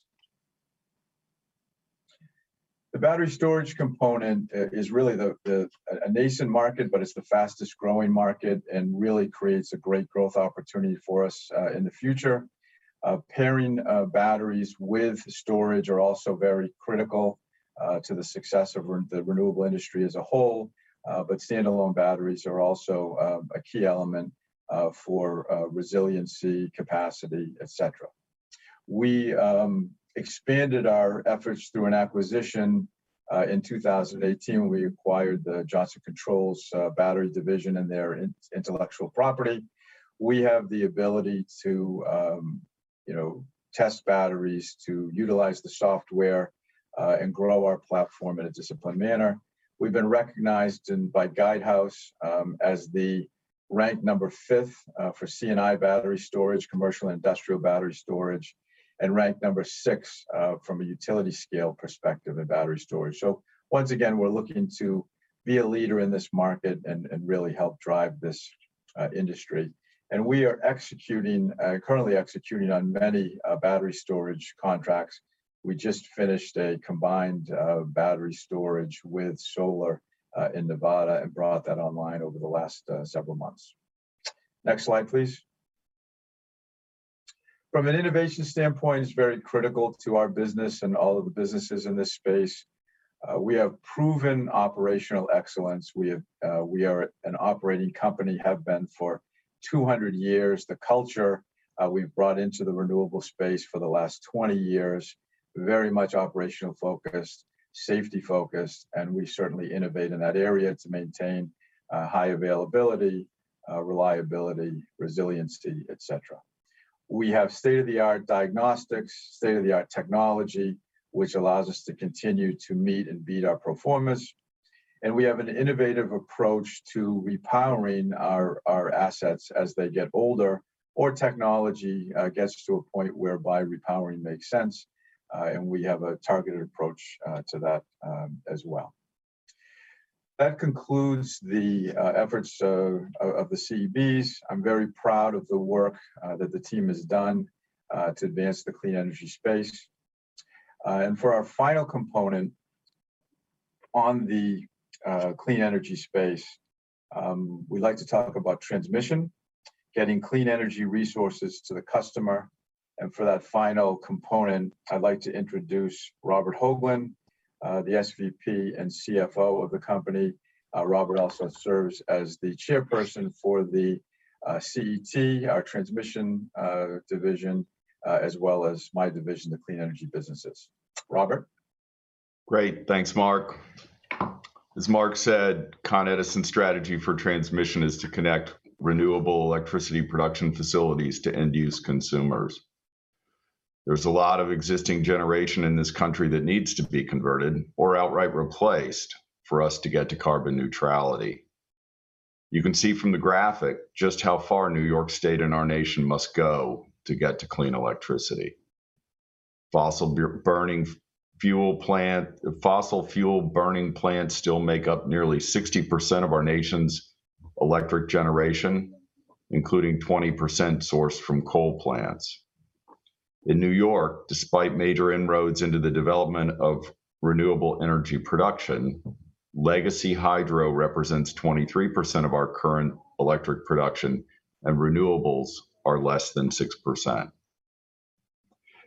The battery storage component is really a nascent market, but it's the fastest growing market and really creates a great growth opportunity for us in the future. Pairing batteries with storage are also very critical to the success of the renewable industry as a whole. Standalone batteries are also a key element for resiliency, capacity, etc. We expanded our efforts through an acquisition. In 2018, we acquired the Johnson Controls battery division and their intellectual property. We have the ability to test batteries, to utilize the software, and grow our platform in a disciplined manner. We've been recognized by Guidehouse as the ranked number fifth for C&I battery storage, commercial and industrial battery storage, and ranked number six from a utility scale perspective in battery storage. Once again, we're looking to be a leader in this market and really help drive this industry. We are currently executing on many battery storage contracts. We just finished a combined battery storage with solar in Nevada and brought that online over the last several months. Next slide, please. From an innovation standpoint, it's very critical to our business and all of the businesses in this space. We have proven operational excellence. We are an operating company, have been for 200 years. The culture we've brought into the renewable space for the last 20 years, very much operational focused, safety focused, and we certainly innovate in that area to maintain high availability, reliability, resiliency, etc. We have state-of-the-art diagnostics, state-of-the-art technology, which allows us to continue to meet and beat our performance. We have an innovative approach to repowering our assets as they get older or technology gets to a point whereby repowering makes sense, and we have a targeted approach to that as well. That concludes the efforts of the CEBs. I'm very proud of the work that the team has done to advance the clean energy space. For our final component on the clean energy space, we like to talk about transmission, getting clean energy resources to the customer. For that final component, I'd like to introduce Robert Hoglund, the SVP and CFO of the company. Robert also serves as the Chairperson for the CET, our Transmission division, as well as my division, the clean energy businesses. Robert? Great. Thanks, Mark. As Mark said, Con Ed's strategy for transmission is to connect renewable electricity production facilities to end-use consumers. There's a lot of existing generation in this country that needs to be converted or outright replaced for us to get to carbon neutrality. You can see from the graphic just how far New York State and our nation must go to get to clean electricity. Fossil fuel-burning plants still make up nearly 60% of our nation's electric generation, including 20% sourced from coal plants. In New York, despite major inroads into the development of renewable energy production, legacy hydro represents 23% of our current electric production, and renewables are less than 6%.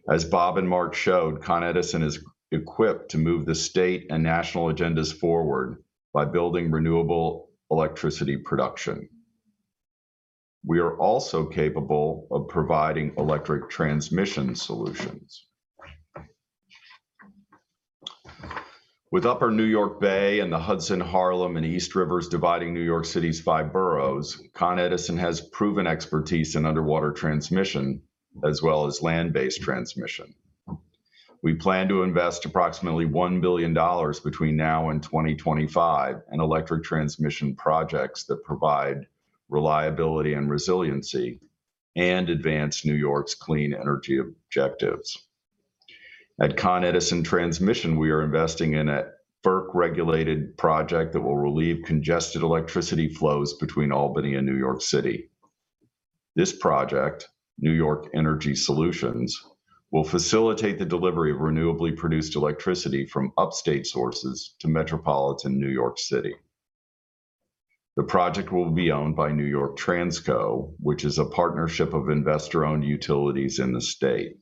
As Bob and Mark showed, Con Edison is equipped to move the state and national agendas forward by building renewable electricity production. We are also capable of providing electric transmission solutions. With Upper New York Bay and the Hudson, Harlem, and East Rivers dividing New York City's five boroughs, Con Edison has proven expertise in underwater transmission as well as land-based transmission. We plan to invest approximately $1 billion between now and 2025 in electric transmission projects that provide reliability and resiliency and advance New York's clean energy objectives. At Con Edison Transmission, we are investing in a FERC-regulated project that will relieve congested electricity flows between Albany and New York City. This project, New York Energy Solution, will facilitate the delivery of renewably produced electricity from upstate sources to metropolitan New York City. The project will be owned by New York Transco, which is a partnership of investor-owned utilities in the state.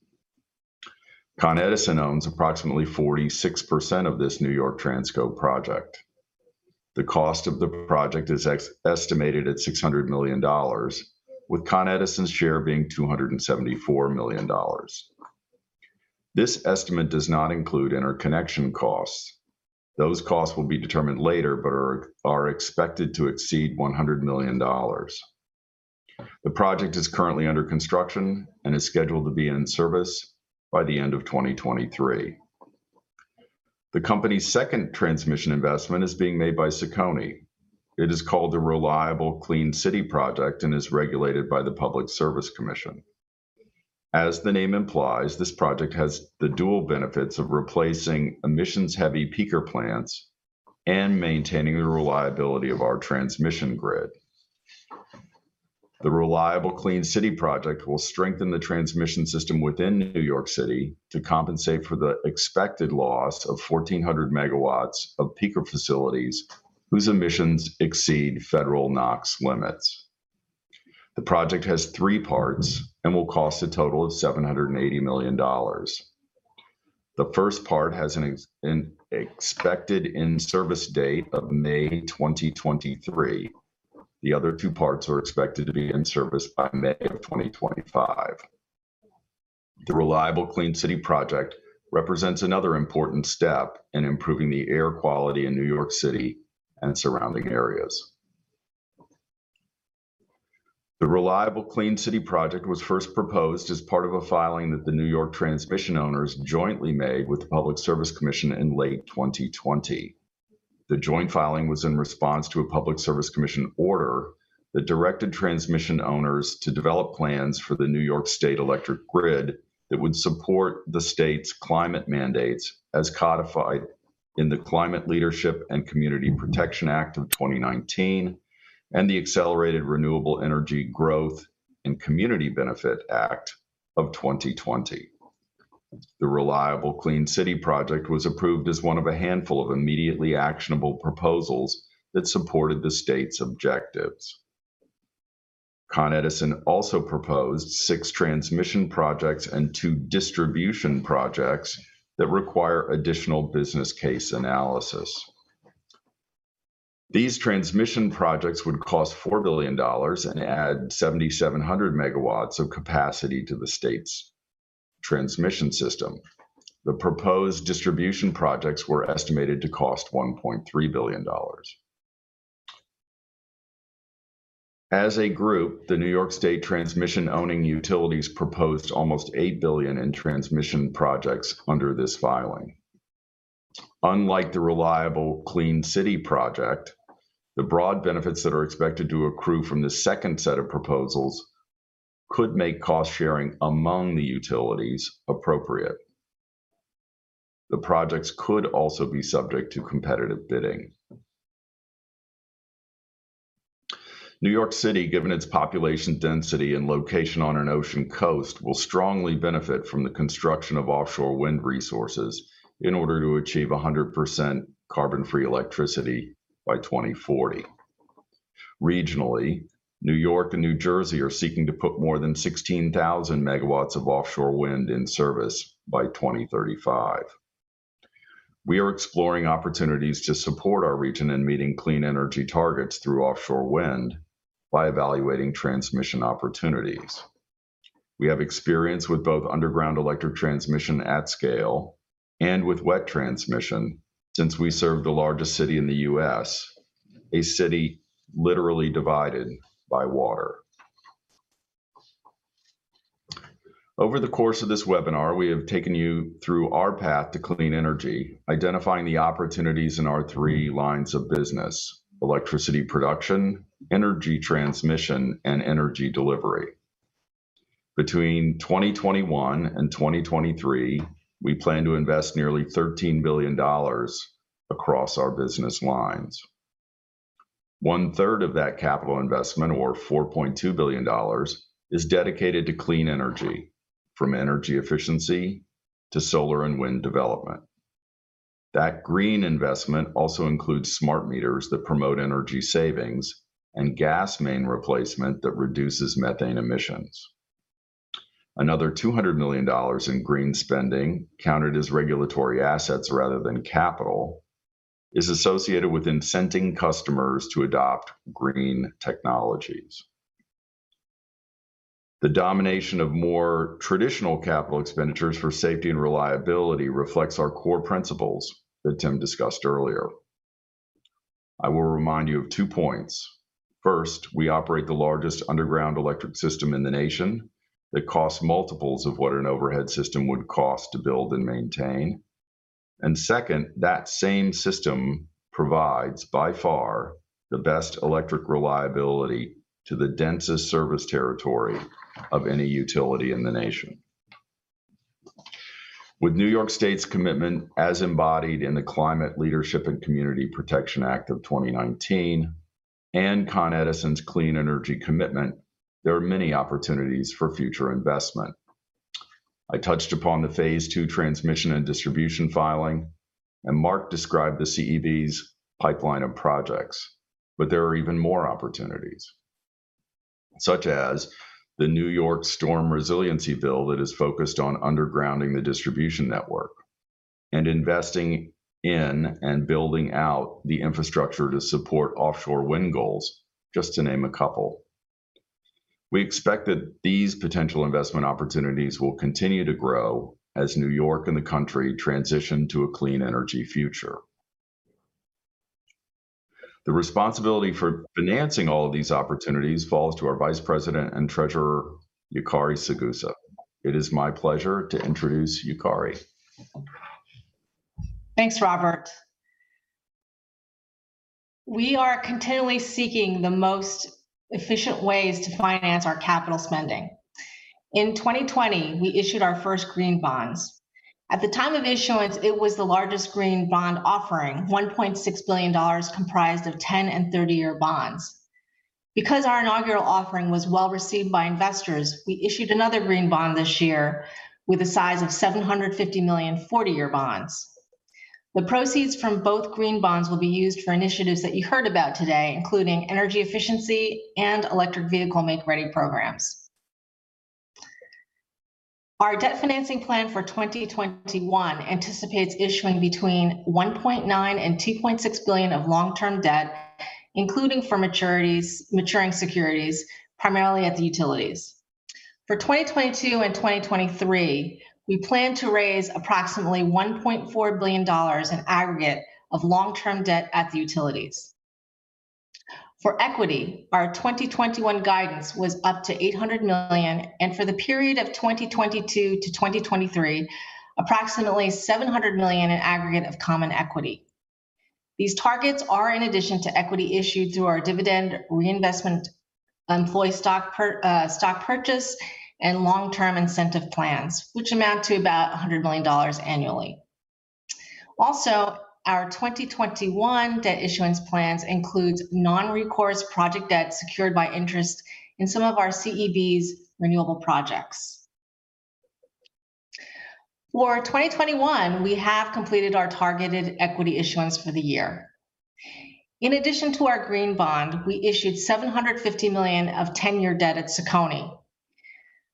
Con Edison owns approximately 46% of this New York Transco project. The cost of the project is estimated at $600 million, with Con Edison's share being $274 million. This estimate does not include interconnection costs. Those costs will be determined later but are expected to exceed $100 million. The project is currently under construction and is scheduled to be in service by the end of 2023. The company's second transmission investment is being made by CECONY. It is called the Reliable Clean City and is regulated by the Public Service Commission. As the name implies, this project has the dual benefits of replacing emissions-heavy peaker plants and maintaining the reliability of our transmission grid. The Reliable Clean City will strengthen the transmission system within New York City to compensate for the expected loss of 1,400 MW of peaker facilities whose emissions exceed federal NOx limits. The project has three parts and will cost a total of $780 million. The first part has an expected in-service date of May 2023. The other two parts are expected to be in service by May 2025. The Reliable Clean City represents another important step in improving the air quality in New York City and surrounding areas. The Reliable Clean City was first proposed as part of a filing that the New York transmission owners jointly made with the New York State Public Service Commission in late 2020. The joint filing was in response to a New York State Public Service Commission order that directed transmission owners to develop plans for the New York State electric grid that would support the state's climate mandates as codified in the Climate Leadership and Community Protection Act of 2019 and the Accelerated Renewable Energy Growth and Community Benefit Act of 2020. The Reliable Clean City was approved as one of a handful of immediately actionable proposals that supported the state's objectives. Con Edison also proposed six transmission projects and two distribution projects that require additional business case analysis. These transmission projects would cost $4 billion and add 7,700 MW of capacity to the state's transmission system. The proposed distribution projects were estimated to cost $1.3 billion. As a group, the New York State transmission-owning utilities proposed almost $8 billion in transmission projects under this filing. Unlike the Reliable Clean City project, the broad benefits that are expected to accrue from the second set of proposals could make cost-sharing among the utilities appropriate. The projects could also be subject to competitive bidding. New York City, given its population density and location on an ocean coast, will strongly benefit from the construction of offshore wind resources in order to achieve 100% carbon-free electricity by 2040. Regionally, New York and New Jersey are seeking to put more than 16,000 MW of offshore wind in service by 2035. We are exploring opportunities to support our region in meeting clean energy targets through offshore wind by evaluating transmission opportunities. We have experience with both underground electric transmission at scale and with wet transmission since we serve the largest city in the U.S., a city literally divided by water. Over the course of this webinar, we have taken you through our path to clean energy, identifying the opportunities in our three lines of business, electricity production, energy transmission, and energy delivery. Between 2021 and 2023, we plan to invest nearly $13 billion across our business lines. One third of that capital investment, or $4.2 billion, is dedicated to clean energy, from energy efficiency to solar and wind development. That green investment also includes smart meters that promote energy savings and gas main replacement that reduces methane emissions. Another $200 million in green spending, counted as regulatory assets rather than capital, is associated with incenting customers to adopt green technologies. The domination of more traditional capital expenditures for safety and reliability reflects our core principles that Tim discussed earlier. I will remind you of two points. First, we operate the largest underground electric system in the nation that costs multiples of what an overhead system would cost to build and maintain. Second, that same system provides, by far, the best electric reliability to the densest service territory of any utility in the nation. With New York State's commitment as embodied in the Climate Leadership and Community Protection Act of 2019 and Con Edison's clean energy commitment, there are many opportunities for future investment. I touched upon the phase II transmission and distribution filing. Mark described the CEBs pipeline of projects. There are even more opportunities, such as the New York Storm Resiliency bill that is focused on undergrounding the distribution network and investing in and building out the infrastructure to support offshore wind goals, just to name a couple. We expect that these potential investment opportunities will continue to grow as New York and the country transition to a clean energy future. The responsibility for financing all of these opportunities falls to our Vice President and Treasurer, Yukari Saegusa. It is my pleasure to introduce Yukari. Thanks, Robert. We are continually seeking the most efficient ways to finance our capital spending. In 2020, we issued our first green bonds. At the time of issuance, it was the largest green bond offering, $1.6 billion comprised of 10-year and 30-year bonds. Our inaugural offering was well received by investors, we issued another green bond this year with a size of $750 million 40-year bonds. The proceeds from both green bonds will be used for initiatives that you heard about today, including energy efficiency and electric vehicle Make-Ready Programs. Our debt financing plan for 2021 anticipates issuing between $1.9 billion and $2.6 billion of long-term debt, including for maturing securities, primarily at the utilities. For 2022 and 2023, we plan to raise approximately $1.4 billion in aggregate of long-term debt at the utilities. For equity, our 2021 guidance was up to $800 million, and for the period of 2022-2023, approximately $700 million in aggregate of common equity. These targets are in addition to equity issued through our dividend reinvestment, employee stock purchase, and long-term incentive plans, which amount to about $100 million annually. Also, our 2021 debt issuance plans includes non-recourse project debt secured by interest in some of our CEBs renewable projects. For 2021, we have completed our targeted equity issuance for the year. In addition to our green bond, we issued $750 million of 10-year debt at CECONY.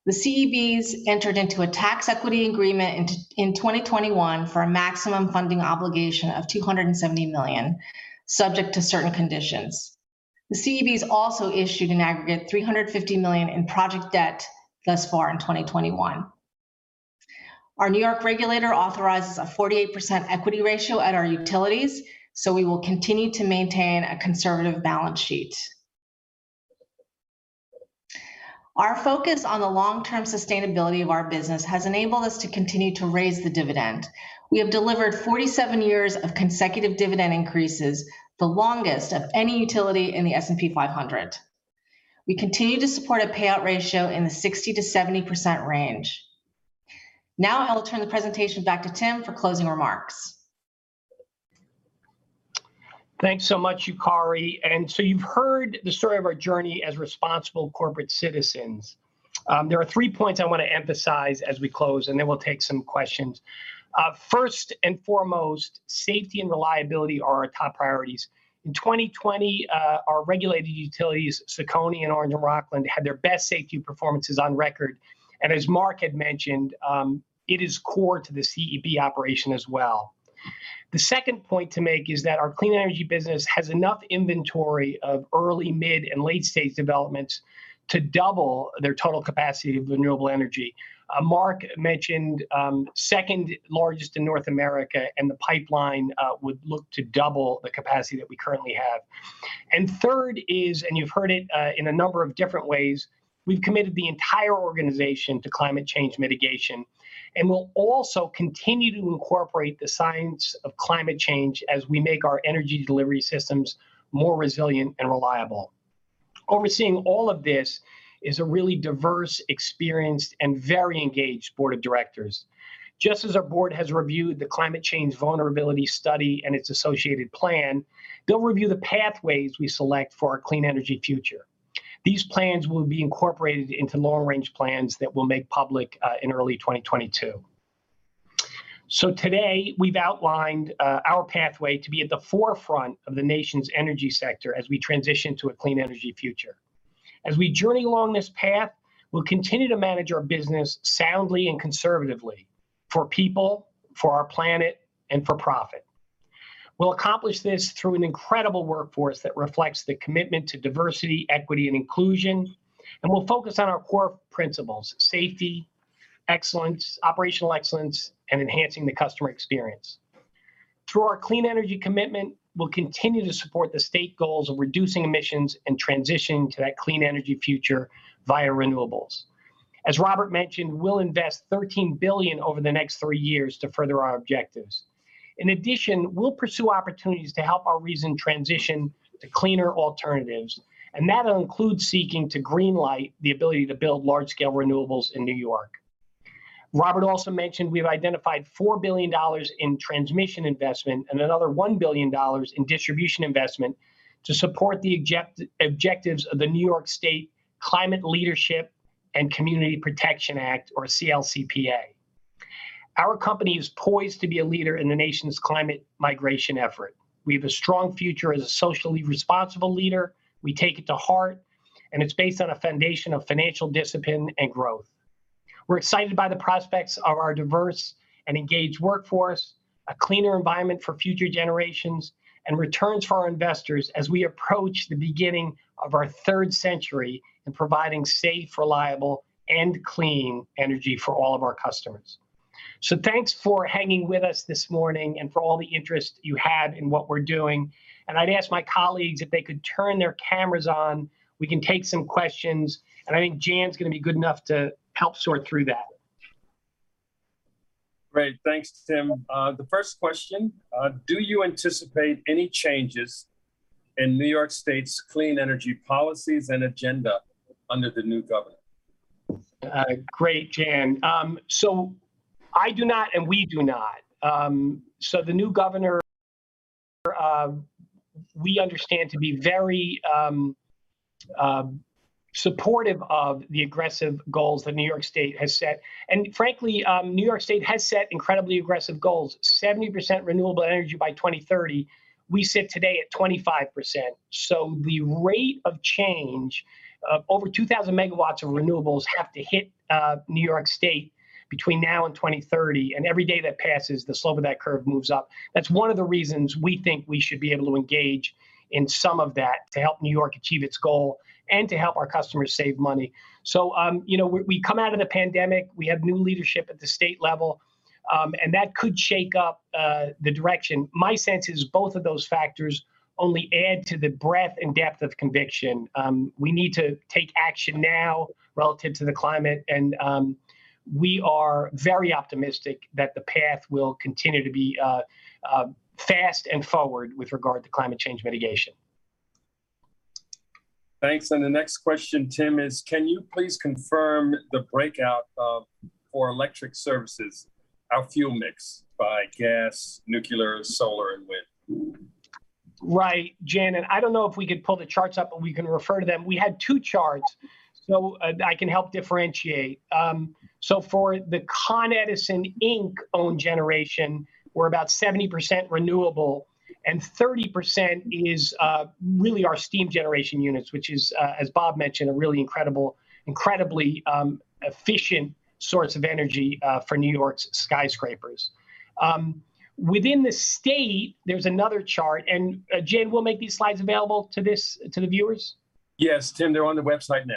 The CEBs entered into a tax equity agreement in 2021 for a maximum funding obligation of $270 million, subject to certain conditions. The CEBs also issued an aggregate $350 million in project debt thus far in 2021. Our New York regulator authorizes a 48% equity ratio at our utilities, so we will continue to maintain a conservative balance sheet. Our focus on the long-term sustainability of our business has enabled us to continue to raise the dividend. We have delivered 47 years of consecutive dividend increases, the longest of any utility in the S&P 500. We continue to support a payout ratio in the 60%-70% range. I will turn the presentation back to Tim for closing remarks. Thanks so much, Yukari. You've heard the story of our journey as responsible corporate citizens. There are three points I want to emphasize as we close, and then we'll take some questions. First and foremost, safety and reliability are our top priorities. In 2020, our regulated utilities, CECONY and Orange and Rockland, had their best safety performances on record. As Mark had mentioned, it is core to the CEB operation as well. The second point to make is that our Clean Energy business has enough inventory of early, mid, and late-stage developments to double their total capacity of renewable energy. Mark mentioned second largest in North America, and the pipeline would look to double the capacity that we currently have. Third is, and you've heard it in a number of different ways, we've committed the entire organization to climate change mitigation, and we'll also continue to incorporate the science of climate change as we make our energy delivery systems more resilient and reliable. Overseeing all of this is a really diverse, experienced, and very engaged Board of Directors. Just as our Board has reviewed the climate change vulnerability study and its associated plan, they'll review the pathways we select for our clean energy future. These plans will be incorporated into long-range plans that we'll make public in early 2022. Today, we've outlined our pathway to be at the forefront of the nation's energy sector as we transition to a clean energy future. As we journey along this path, we'll continue to manage our business soundly and conservatively for people, for our planet, and for profit. We'll accomplish this through an incredible workforce that reflects the commitment to diversity, equity, and inclusion, and we'll focus on our core principles: safety, operational excellence, and enhancing the customer experience. Through our clean energy commitment, we'll continue to support the state goals of reducing emissions and transitioning to that clean energy future via renewables. As Robert mentioned, we'll invest $13 billion over the next three years to further our objectives. In addition, we'll pursue opportunities to help our region transition to cleaner alternatives, and that'll include seeking to green-light the ability to build large-scale renewables in New York. Robert also mentioned we've identified $4 billion in transmission investment and another $1 billion in distribution investment to support the objectives of the New York State Climate Leadership and Community Protection Act, or CLCPA. Our company is poised to be a leader in the nation's climate migration effort. We have a strong future as a socially responsible leader. We take it to heart. It's based on a foundation of financial discipline and growth. We're excited by the prospects of our diverse and engaged workforce, a cleaner environment for future generations, and returns for our investors as we approach the beginning of our third century in providing safe, reliable, and clean energy for all of our customers. Thanks for hanging with us this morning and for all the interest you had in what we're doing. I'd ask my colleagues if they could turn their cameras on. We can take some questions. I think Jan's going to be good enough to help sort through that. Great. Thanks, Tim. The first question, do you anticipate any changes in New York State's clean energy policies and agenda under the new governor? Great, Jan. I do not, and we do not. The new governor we understand to be very supportive of the aggressive goals that New York State has set, and frankly, New York State has set incredibly aggressive goals. 70% renewable energy by 2030. We sit today at 25%, the rate of change, over 2,000 MW of renewables have to hit New York State between now and 2030. Every day that passes, the slope of that curve moves up. That's one of the reasons we think we should be able to engage in some of that to help New York achieve its goal and to help our customers save money. We come out of the pandemic, we have new leadership at the state level, and that could shake up the direction. My sense is both of those factors only add to the breadth and depth of conviction. We need to take action now relative to the climate, and we are very optimistic that the path will continue to be fast and forward with regard to climate change mitigation. Thanks. The next question, Tim, is can you please confirm the breakout of, for electric services, our fuel mix by gas, nuclear, solar, and wind? Right, Jan. I don't know if we could pull the charts up, but we can refer to them. We had two charts. I can help differentiate. For the Con Edison Inc owned generation, we're about 70% renewable and 30% is really our steam generation units, which is, as Bob mentioned, a really incredibly efficient source of energy for New York's skyscrapers. Within the state, there's another chart. Jan, we'll make these slides available to the viewers? Yes, Tim, they're on the website now.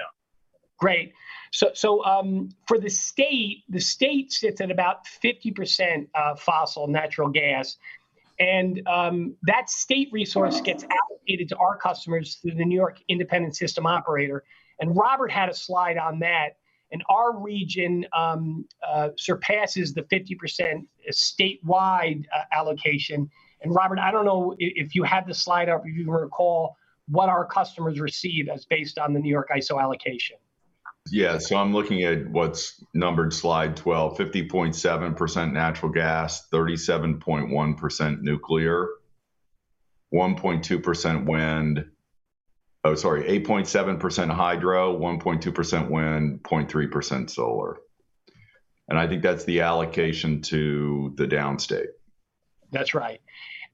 Great. For the state, the state sits at about 50% fossil natural gas, and that state resource gets allocated to our customers through the New York Independent System Operator. Rob had a slide on that, and our region surpasses the 50% statewide allocation. Rob, I don't know if you had the slide up, if you recall what our customers receive as based on the New York ISO allocation. Yeah. I'm looking at what's numbered slide 12. 50.7% natural gas, 37.1% nuclear, 1.2% wind. Oh, sorry, 8.7% hydro, 1.2% wind, 0.3% solar. I think that's the allocation to the downstate. That's right.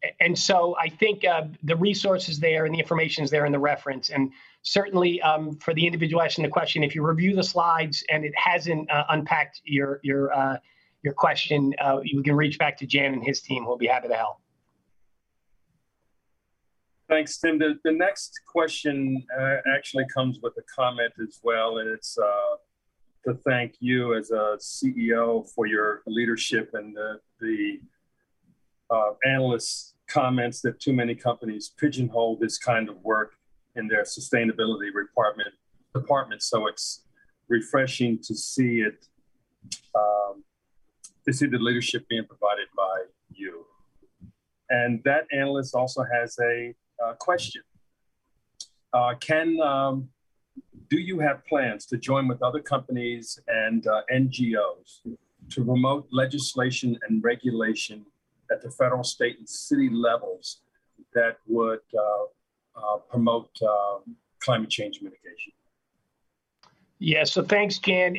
I think the resource is there and the information's there in the reference, and certainly, for the individual asking the question, if you review the slides and it hasn't unpacked your question, you can reach back to Jan and his team, who'll be happy to help. Thanks, Tim. The next question actually comes with a comment as well, and it's to thank you as a CEO for your leadership and the analyst comments that too many companies pigeonhole this kind of work in their sustainability department, so it's refreshing to see the leadership being provided by you. That analyst also has a question. Do you have plans to join with other companies and NGOs to promote legislation and regulation at the federal, state, and city levels that would promote climate change mitigation? Thanks, Jan.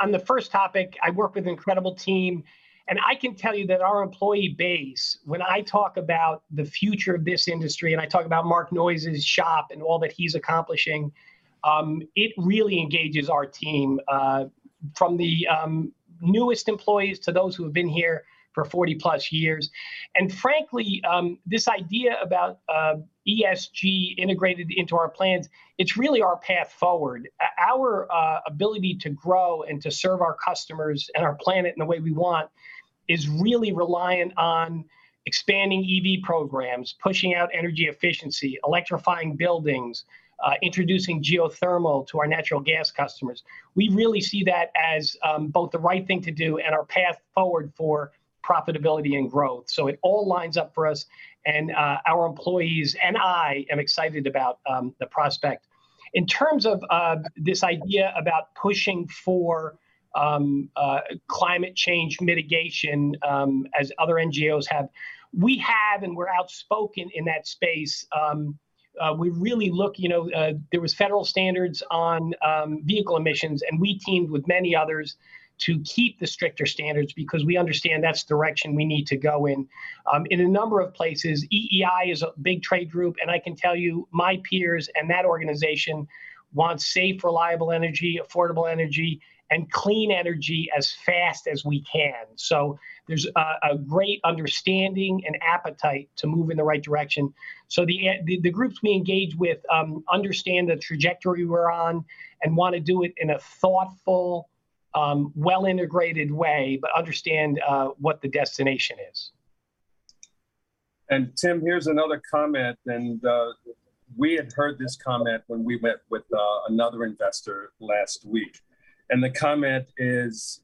On the first topic, I work with an incredible team, and I can tell you that our employee base, when I talk about the future of this industry, and I talk about Mark Noyes' shop and all that he's accomplishing, it really engages our team, from the newest employees to those who have been here for 40+ years. Frankly, this idea about ESG integrated into our plans, it's really our path forward. Our ability to grow and to serve our customers and our planet in the way we want is really reliant on expanding EV programs, pushing out energy efficiency, electrifying buildings, introducing geothermal to our natural gas customers. We really see that as both the right thing to do and our path forward for profitability and growth. It all lines up for us, and our employees and I am excited about the prospect. In terms of this idea about pushing for climate change mitigation as other NGOs have, we have, and we're outspoken in that space. There was federal standards on vehicle emissions, and we teamed with many others to keep the stricter standards because we understand that's the direction we need to go in. In a number of places, EEI is a big trade group, and I can tell you, my peers and that organization want safe, reliable energy, affordable energy, and clean energy as fast as we can. There's a great understanding and appetite to move in the right direction. The groups we engage with understand the trajectory we're on and want to do it in a thoughtful, well-integrated way, but understand what the destination is. Tim, here's another comment, and we had heard this comment when we met with another investor last week. The comment is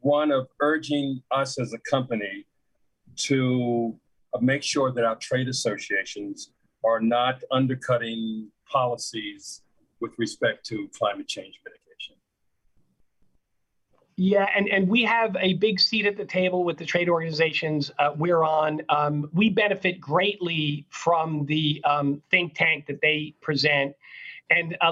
one of urging us as a company to make sure that our trade associations are not undercutting policies with respect to climate change mitigation. Yeah, we have a big seat at the table with the trade organizations we're on. We benefit greatly from the think tank that they present.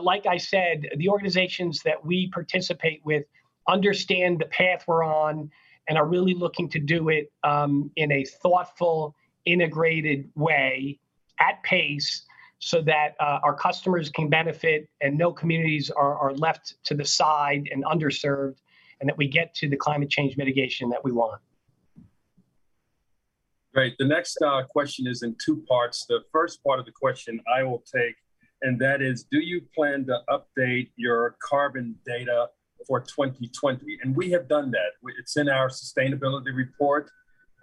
Like I said, the organizations that we participate with understand the path we're on and are really looking to do it in a thoughtful, integrated way, at pace, so that our customers can benefit and no communities are left to the side and underserved, and that we get to the climate change mitigation that we want. Right. The next question is in two parts. The first part of the question I will take, and that is, do you plan to update your carbon data for 2020? We have done that. It's in our sustainability report,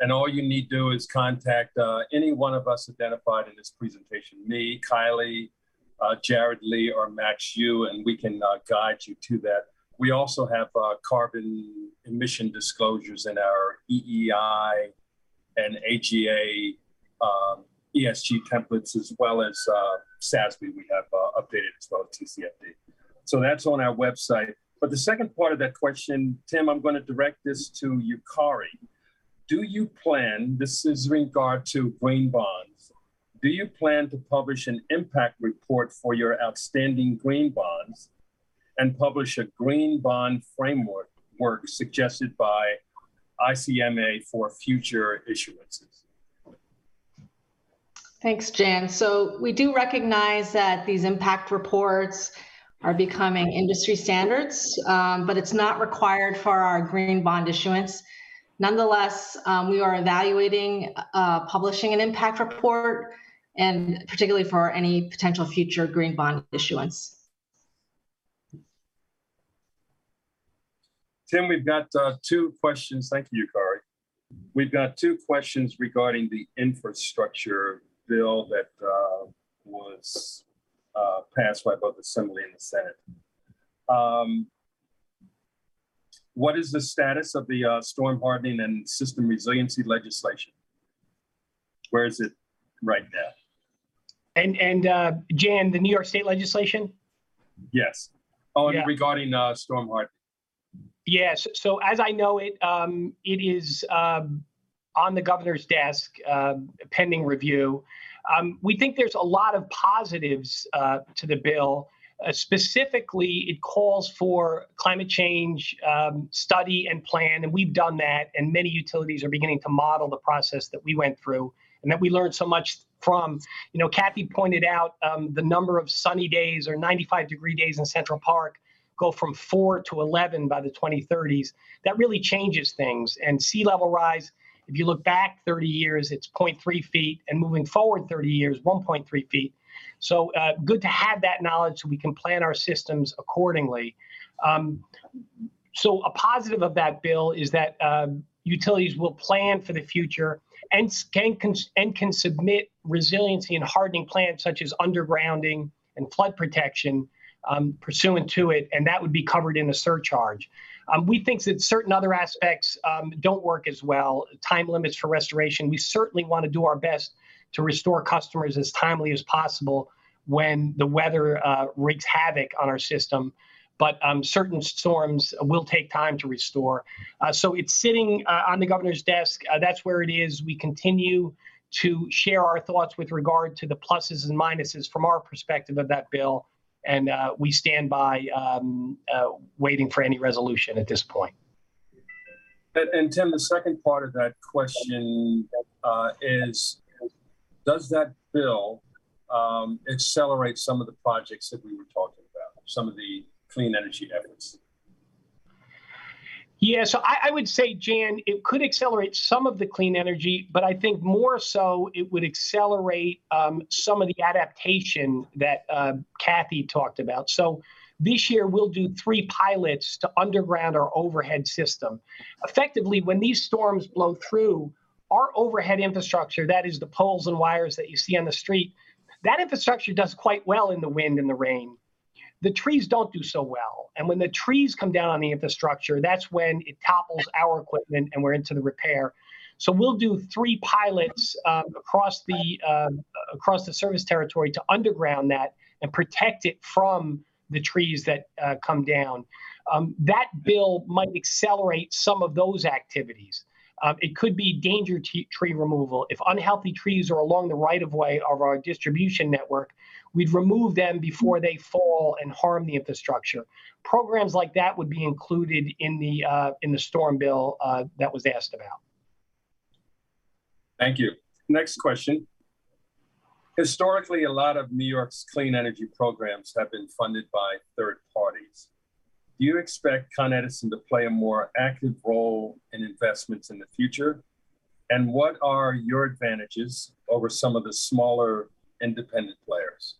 and all you need do is contact any one of us identified in this presentation, me, Kiley, Jared Lee, or [Max Yu], and we can guide you to that. We also have carbon emission disclosures in our EEI and AGA ESG templates as well as SASB. We have updated as well TCFD. That's on our website. The second part of that question, Tim, I'm going to direct this to Yukari. This is in regard to green bonds. Do you plan to publish an impact report for your outstanding green bonds and publish a green bond framework suggested by ICMA for future issuances? Thanks, Jan. We do recognize that these impact reports are becoming industry standards, but it's not required for our green bond issuance. Nonetheless, we are evaluating publishing an impact report, and particularly for any potential future green bond issuance. Tim, we've got two questions. Thank you, Yukari. We've got two questions regarding the infrastructure bill that was passed by both the Assembly and the Senate. What is the status of the storm hardening and system resiliency legislation? Where is it right now? Jan, the New York State legislation? Yes. Yeah. Oh, regarding storm hardening. Yeah. As I know it is on the governor's desk, pending review. We think there's a lot of positives to the bill. Specifically, it calls for climate change study and plan, and we've done that, and many utilities are beginning to model the process that we went through and that we learned so much from. Cathy pointed out the number of sunny days or 95-degree days in Central Park go from 4-11 by the 2030s. That really changes things. Sea level rise, if you look back 30 years, it's 0.3 ft, and moving forward 30 years, 1.3 ft. Good to have that knowledge so we can plan our systems accordingly. A positive of that bill is that utilities will plan for the future and can submit resiliency and hardening plans, such as undergrounding and flood protection pursuant to it, and that would be covered in a surcharge. We think that certain other aspects don't work as well. Time limits for restoration, we certainly want to do our best to restore customers as timely as possible when the weather wreaks havoc on our system. Certain storms will take time to restore. It's sitting on the governor's desk. That's where it is. We continue to share our thoughts with regard to the pluses and minuses from our perspective of that bill, and we stand by, waiting for any resolution at this point. Tim, the second part of that question is, does that bill accelerate some of the projects that we were talking about, some of the clean energy efforts? Yeah. I would say, Jan, it could accelerate some of the clean energy, but I think more so it would accelerate some of the adaptation that Cathy talked about. This year, we'll do three pilots to underground our overhead system. Effectively, when these storms blow through, our overhead infrastructure, that is the poles and wires that you see on the street, that infrastructure does quite well in the wind and the rain. The trees don't do so well, and when the trees come down on the infrastructure, that's when it topples our equipment and we're into the repair. We'll do three pilots across the service territory to underground that and protect it from the trees that come down. That bill might accelerate some of those activities. It could be danger tree removal. If unhealthy trees are along the right of way of our distribution network, we'd remove them before they fall and harm the infrastructure. Programs like that would be included in the storm bill that was asked about. Thank you. Next question. Historically, a lot of New York's clean energy programs have been funded by third parties. Do you expect Con Ed to play a more active role in investments in the future? What are your advantages over some of the smaller independent players?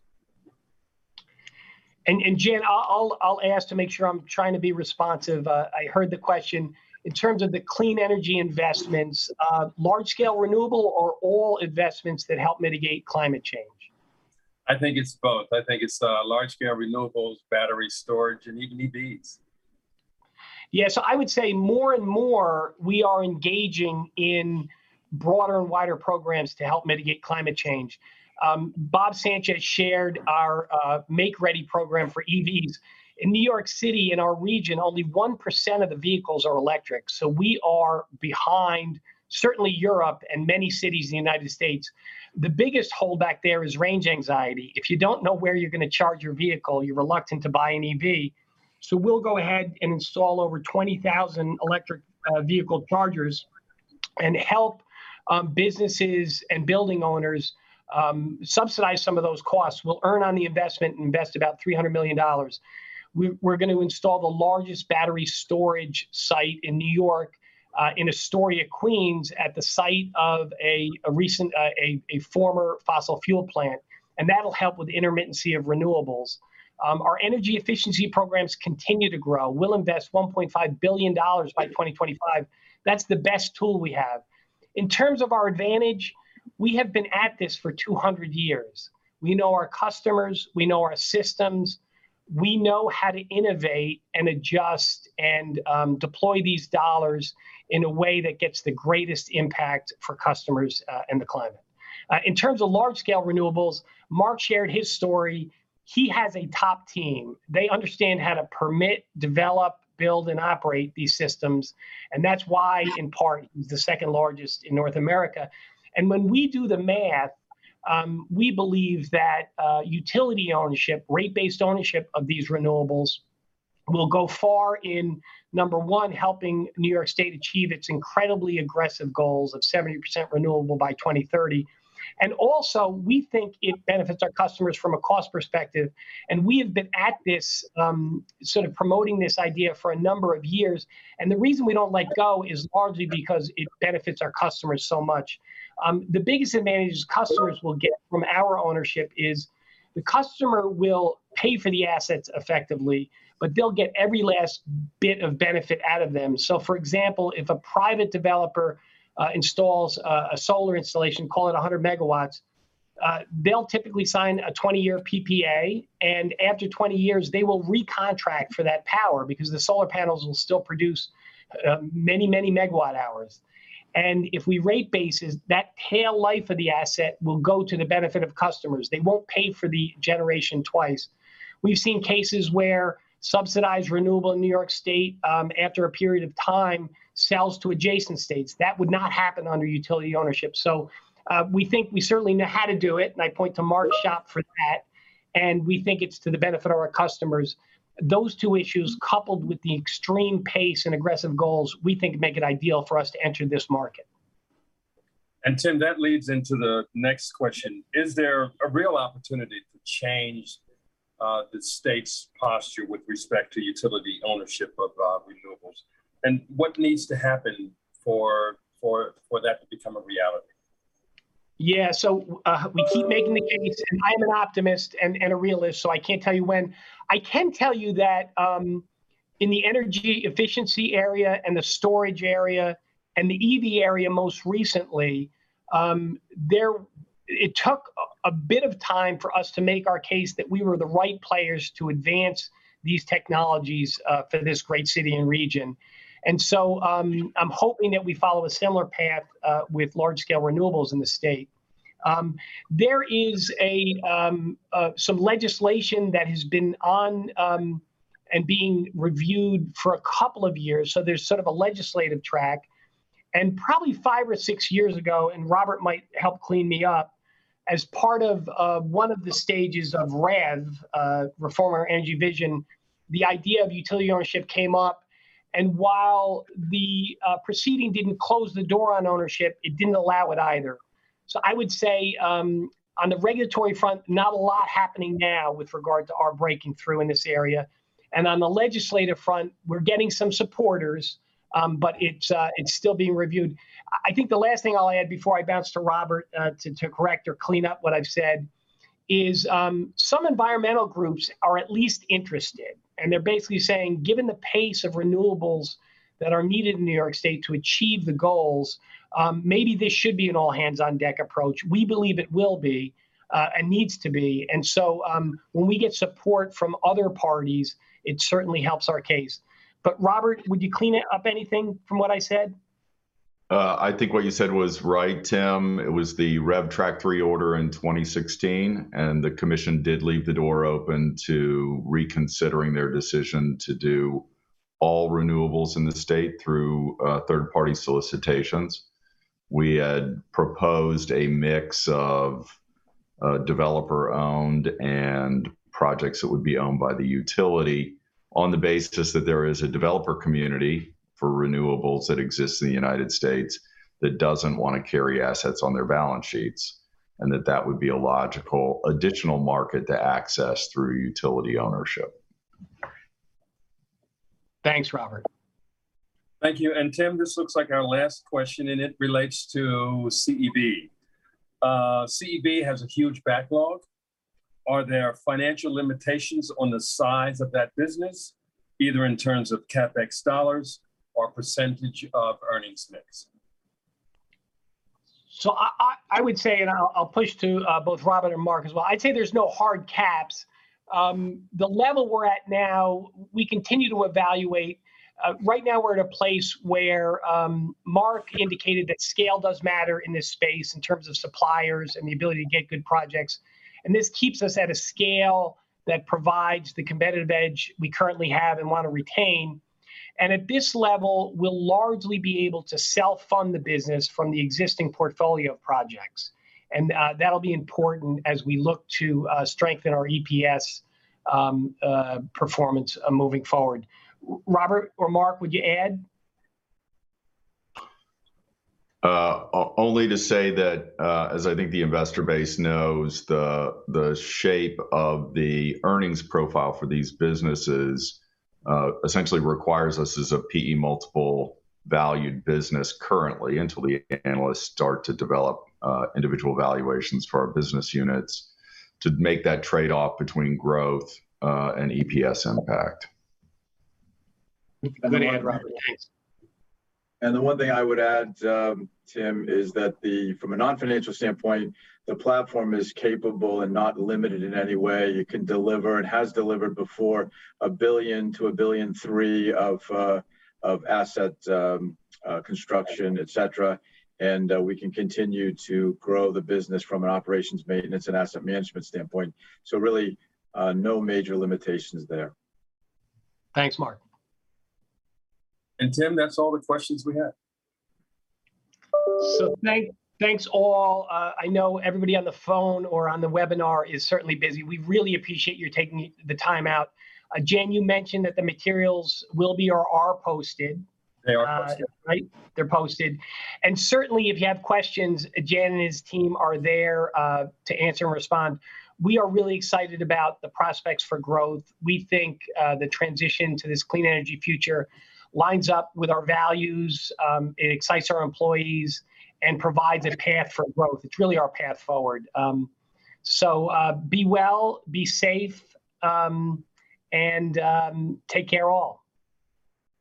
Jan, I'll ask to make sure I'm trying to be responsive. I heard the question. In terms of the clean energy investments, large-scale renewable or all investments that help mitigate climate change? I think it's both. I think it's large scale renewables, battery storage, and even EVs. Yeah. I would say more and more, we are engaging in broader and wider programs to help mitigate climate change. Bob Sanchez shared our Make-Ready Program for EVs. In New York City, in our region, only 1% of the vehicles are electric, so we are behind certainly Europe and many cities in the United States. The biggest holdback there is range anxiety. If you don't know where you're going to charge your vehicle, you're reluctant to buy an EV. We'll go ahead and install over 20,000 electric vehicle chargers and help businesses and building owners subsidize some of those costs. We'll earn on the investment and invest about $300 million. We're going to install the largest battery storage site in New York, in Astoria, Queens at the site of a former fossil fuel plant, and that'll help with the intermittency of renewables. Our energy efficiency programs continue to grow. We'll invest $1.5 billion by 2025. That's the best tool we have. In terms of our advantage, we have been at this for 200 years. We know our customers, we know our systems, we know how to innovate and adjust and deploy these dollars in a way that gets the greatest impact for customers and the climate. In terms of large scale renewables, Mark shared his story. He has a top team. They understand how to permit, develop, build, and operate these systems, and that's why, in part, he's the second largest in North America. When we do the math, we believe that utility ownership, rate-based ownership of these renewables, will go far in, number one, helping New York State achieve its incredibly aggressive goals of 70% renewable by 2030. Also, we think it benefits our customers from a cost perspective, and we have been at this, promoting this idea for a number of years. The reason we don't let go is largely because it benefits our customers so much. The biggest advantage customers will get from our ownership is the customer will pay for the assets effectively, but they'll get every last bit of benefit out of them. For example, if a private developer installs a solar installation, call it 100 MW, they'll typically sign a 20-year PPA, and after 20 years, they will recontract for that power because the solar panels will still produce many megawatt hours. If we rate bases, that tail life of the asset will go to the benefit of customers. They won't pay for the generation twice. We've seen cases where subsidized renewable in New York State, after a period of time, sells to adjacent states. That would not happen under utility ownership. We think we certainly know how to do it, and I point to Mark's [share-free add] and we think it's to the benefit of our customers. Those two issues, coupled with the extreme pace and aggressive goals, we think, make it ideal for us to enter this market. Tim, that leads into the next question. Is there a real opportunity to change the State's posture with respect to utility ownership of renewables? What needs to happen for that to become a reality? Yeah. We keep making the case, and I'm an optimist and a realist, so I can't tell you when. I can tell you that-In the energy efficiency area and the storage area, and the EV area most recently, it took a bit of time for us to make our case that we were the right players to advance these technologies for this great city and region. I'm hoping that we follow a similar path with large-scale renewables in the state. There is some legislation that has been on and being reviewed for a couple of years, so there's sort of a legislative track. Probably five or six years ago, and Robert might help clean me up, as part of one of the stages of REV, Reforming the Energy Vision, the idea of utility ownership came up. While the proceeding didn't close the door on ownership, it didn't allow it either. I would say, on the regulatory front, not a lot happening now with regard to our breaking through in this area. On the legislative front, we're getting some supporters, but it's still being reviewed. I think the last thing I'll add before I bounce to Robert to correct or clean up what I've said, is some environmental groups are at least interested, and they're basically saying, given the pace of renewables that are needed in New York State to achieve the goals, maybe this should be an all-hands-on-deck approach. We believe it will be, and needs to be. When we get support from other parties, it certainly helps our case. Robert, would you clean up anything from what I said? I think what you said was right, Tim. It was the REV Track 3 order in 2016, and the commission did leave the door open to reconsidering their decision to do all renewables in the state through third-party solicitations. We had proposed a mix of developer-owned and projects that would be owned by the utility on the basis that there is a developer community for renewables that exists in the United States that doesn't want to carry assets on their balance sheets, and that that would be a logical additional market to access through utility ownership. Thanks, Robert. Thank you. Tim, this looks like our last question. It relates to CEB. CEB has a huge backlog. Are there financial limitations on the size of that business, either in terms of CapEx dollars or percentage of earnings mix? I would say, and I'll push to both Robert and Mark as well, I'd say there's no hard caps. The level we're at now, we continue to evaluate. Right now, we're at a place where Mark indicated that scale does matter in this space in terms of suppliers and the ability to get good projects. This keeps us at a scale that provides the competitive edge we currently have and want to retain. At this level, we'll largely be able to self-fund the business from the existing portfolio of projects. That'll be important as we look to strengthen our EPS performance moving forward. Robert or Mark, would you add? Only to say that, as I think the investor base knows, the shape of the earnings profile for these businesses essentially requires us as a PE multiple valued business currently, until the analysts start to develop individual valuations for our business units to make that trade-off between growth and EPS impact. Good add, Robert. Thanks. The one thing I would add, Tim, is that from a non-financial standpoint, the platform is capable and not limited in any way. It can deliver and has delivered before $1 billion-$1.3 billion of asset construction, etc. We can continue to grow the business from an operations maintenance and asset management standpoint. Really, no major limitations there. Thanks, Mark. Tim, that's all the questions we have. Thanks, all. I know everybody on the phone or on the webinar is certainly busy. We really appreciate you taking the time out. Jan, you mentioned that the materials will be or are posted. They are posted. Right. They're posted. Certainly, if you have questions, Jan and his team are there to answer and respond. We are really excited about the prospects for growth. We think the transition to this clean energy future lines up with our values. It excites our employees and provides a path for growth. It's really our path forward. Be well, be safe, and take care, all.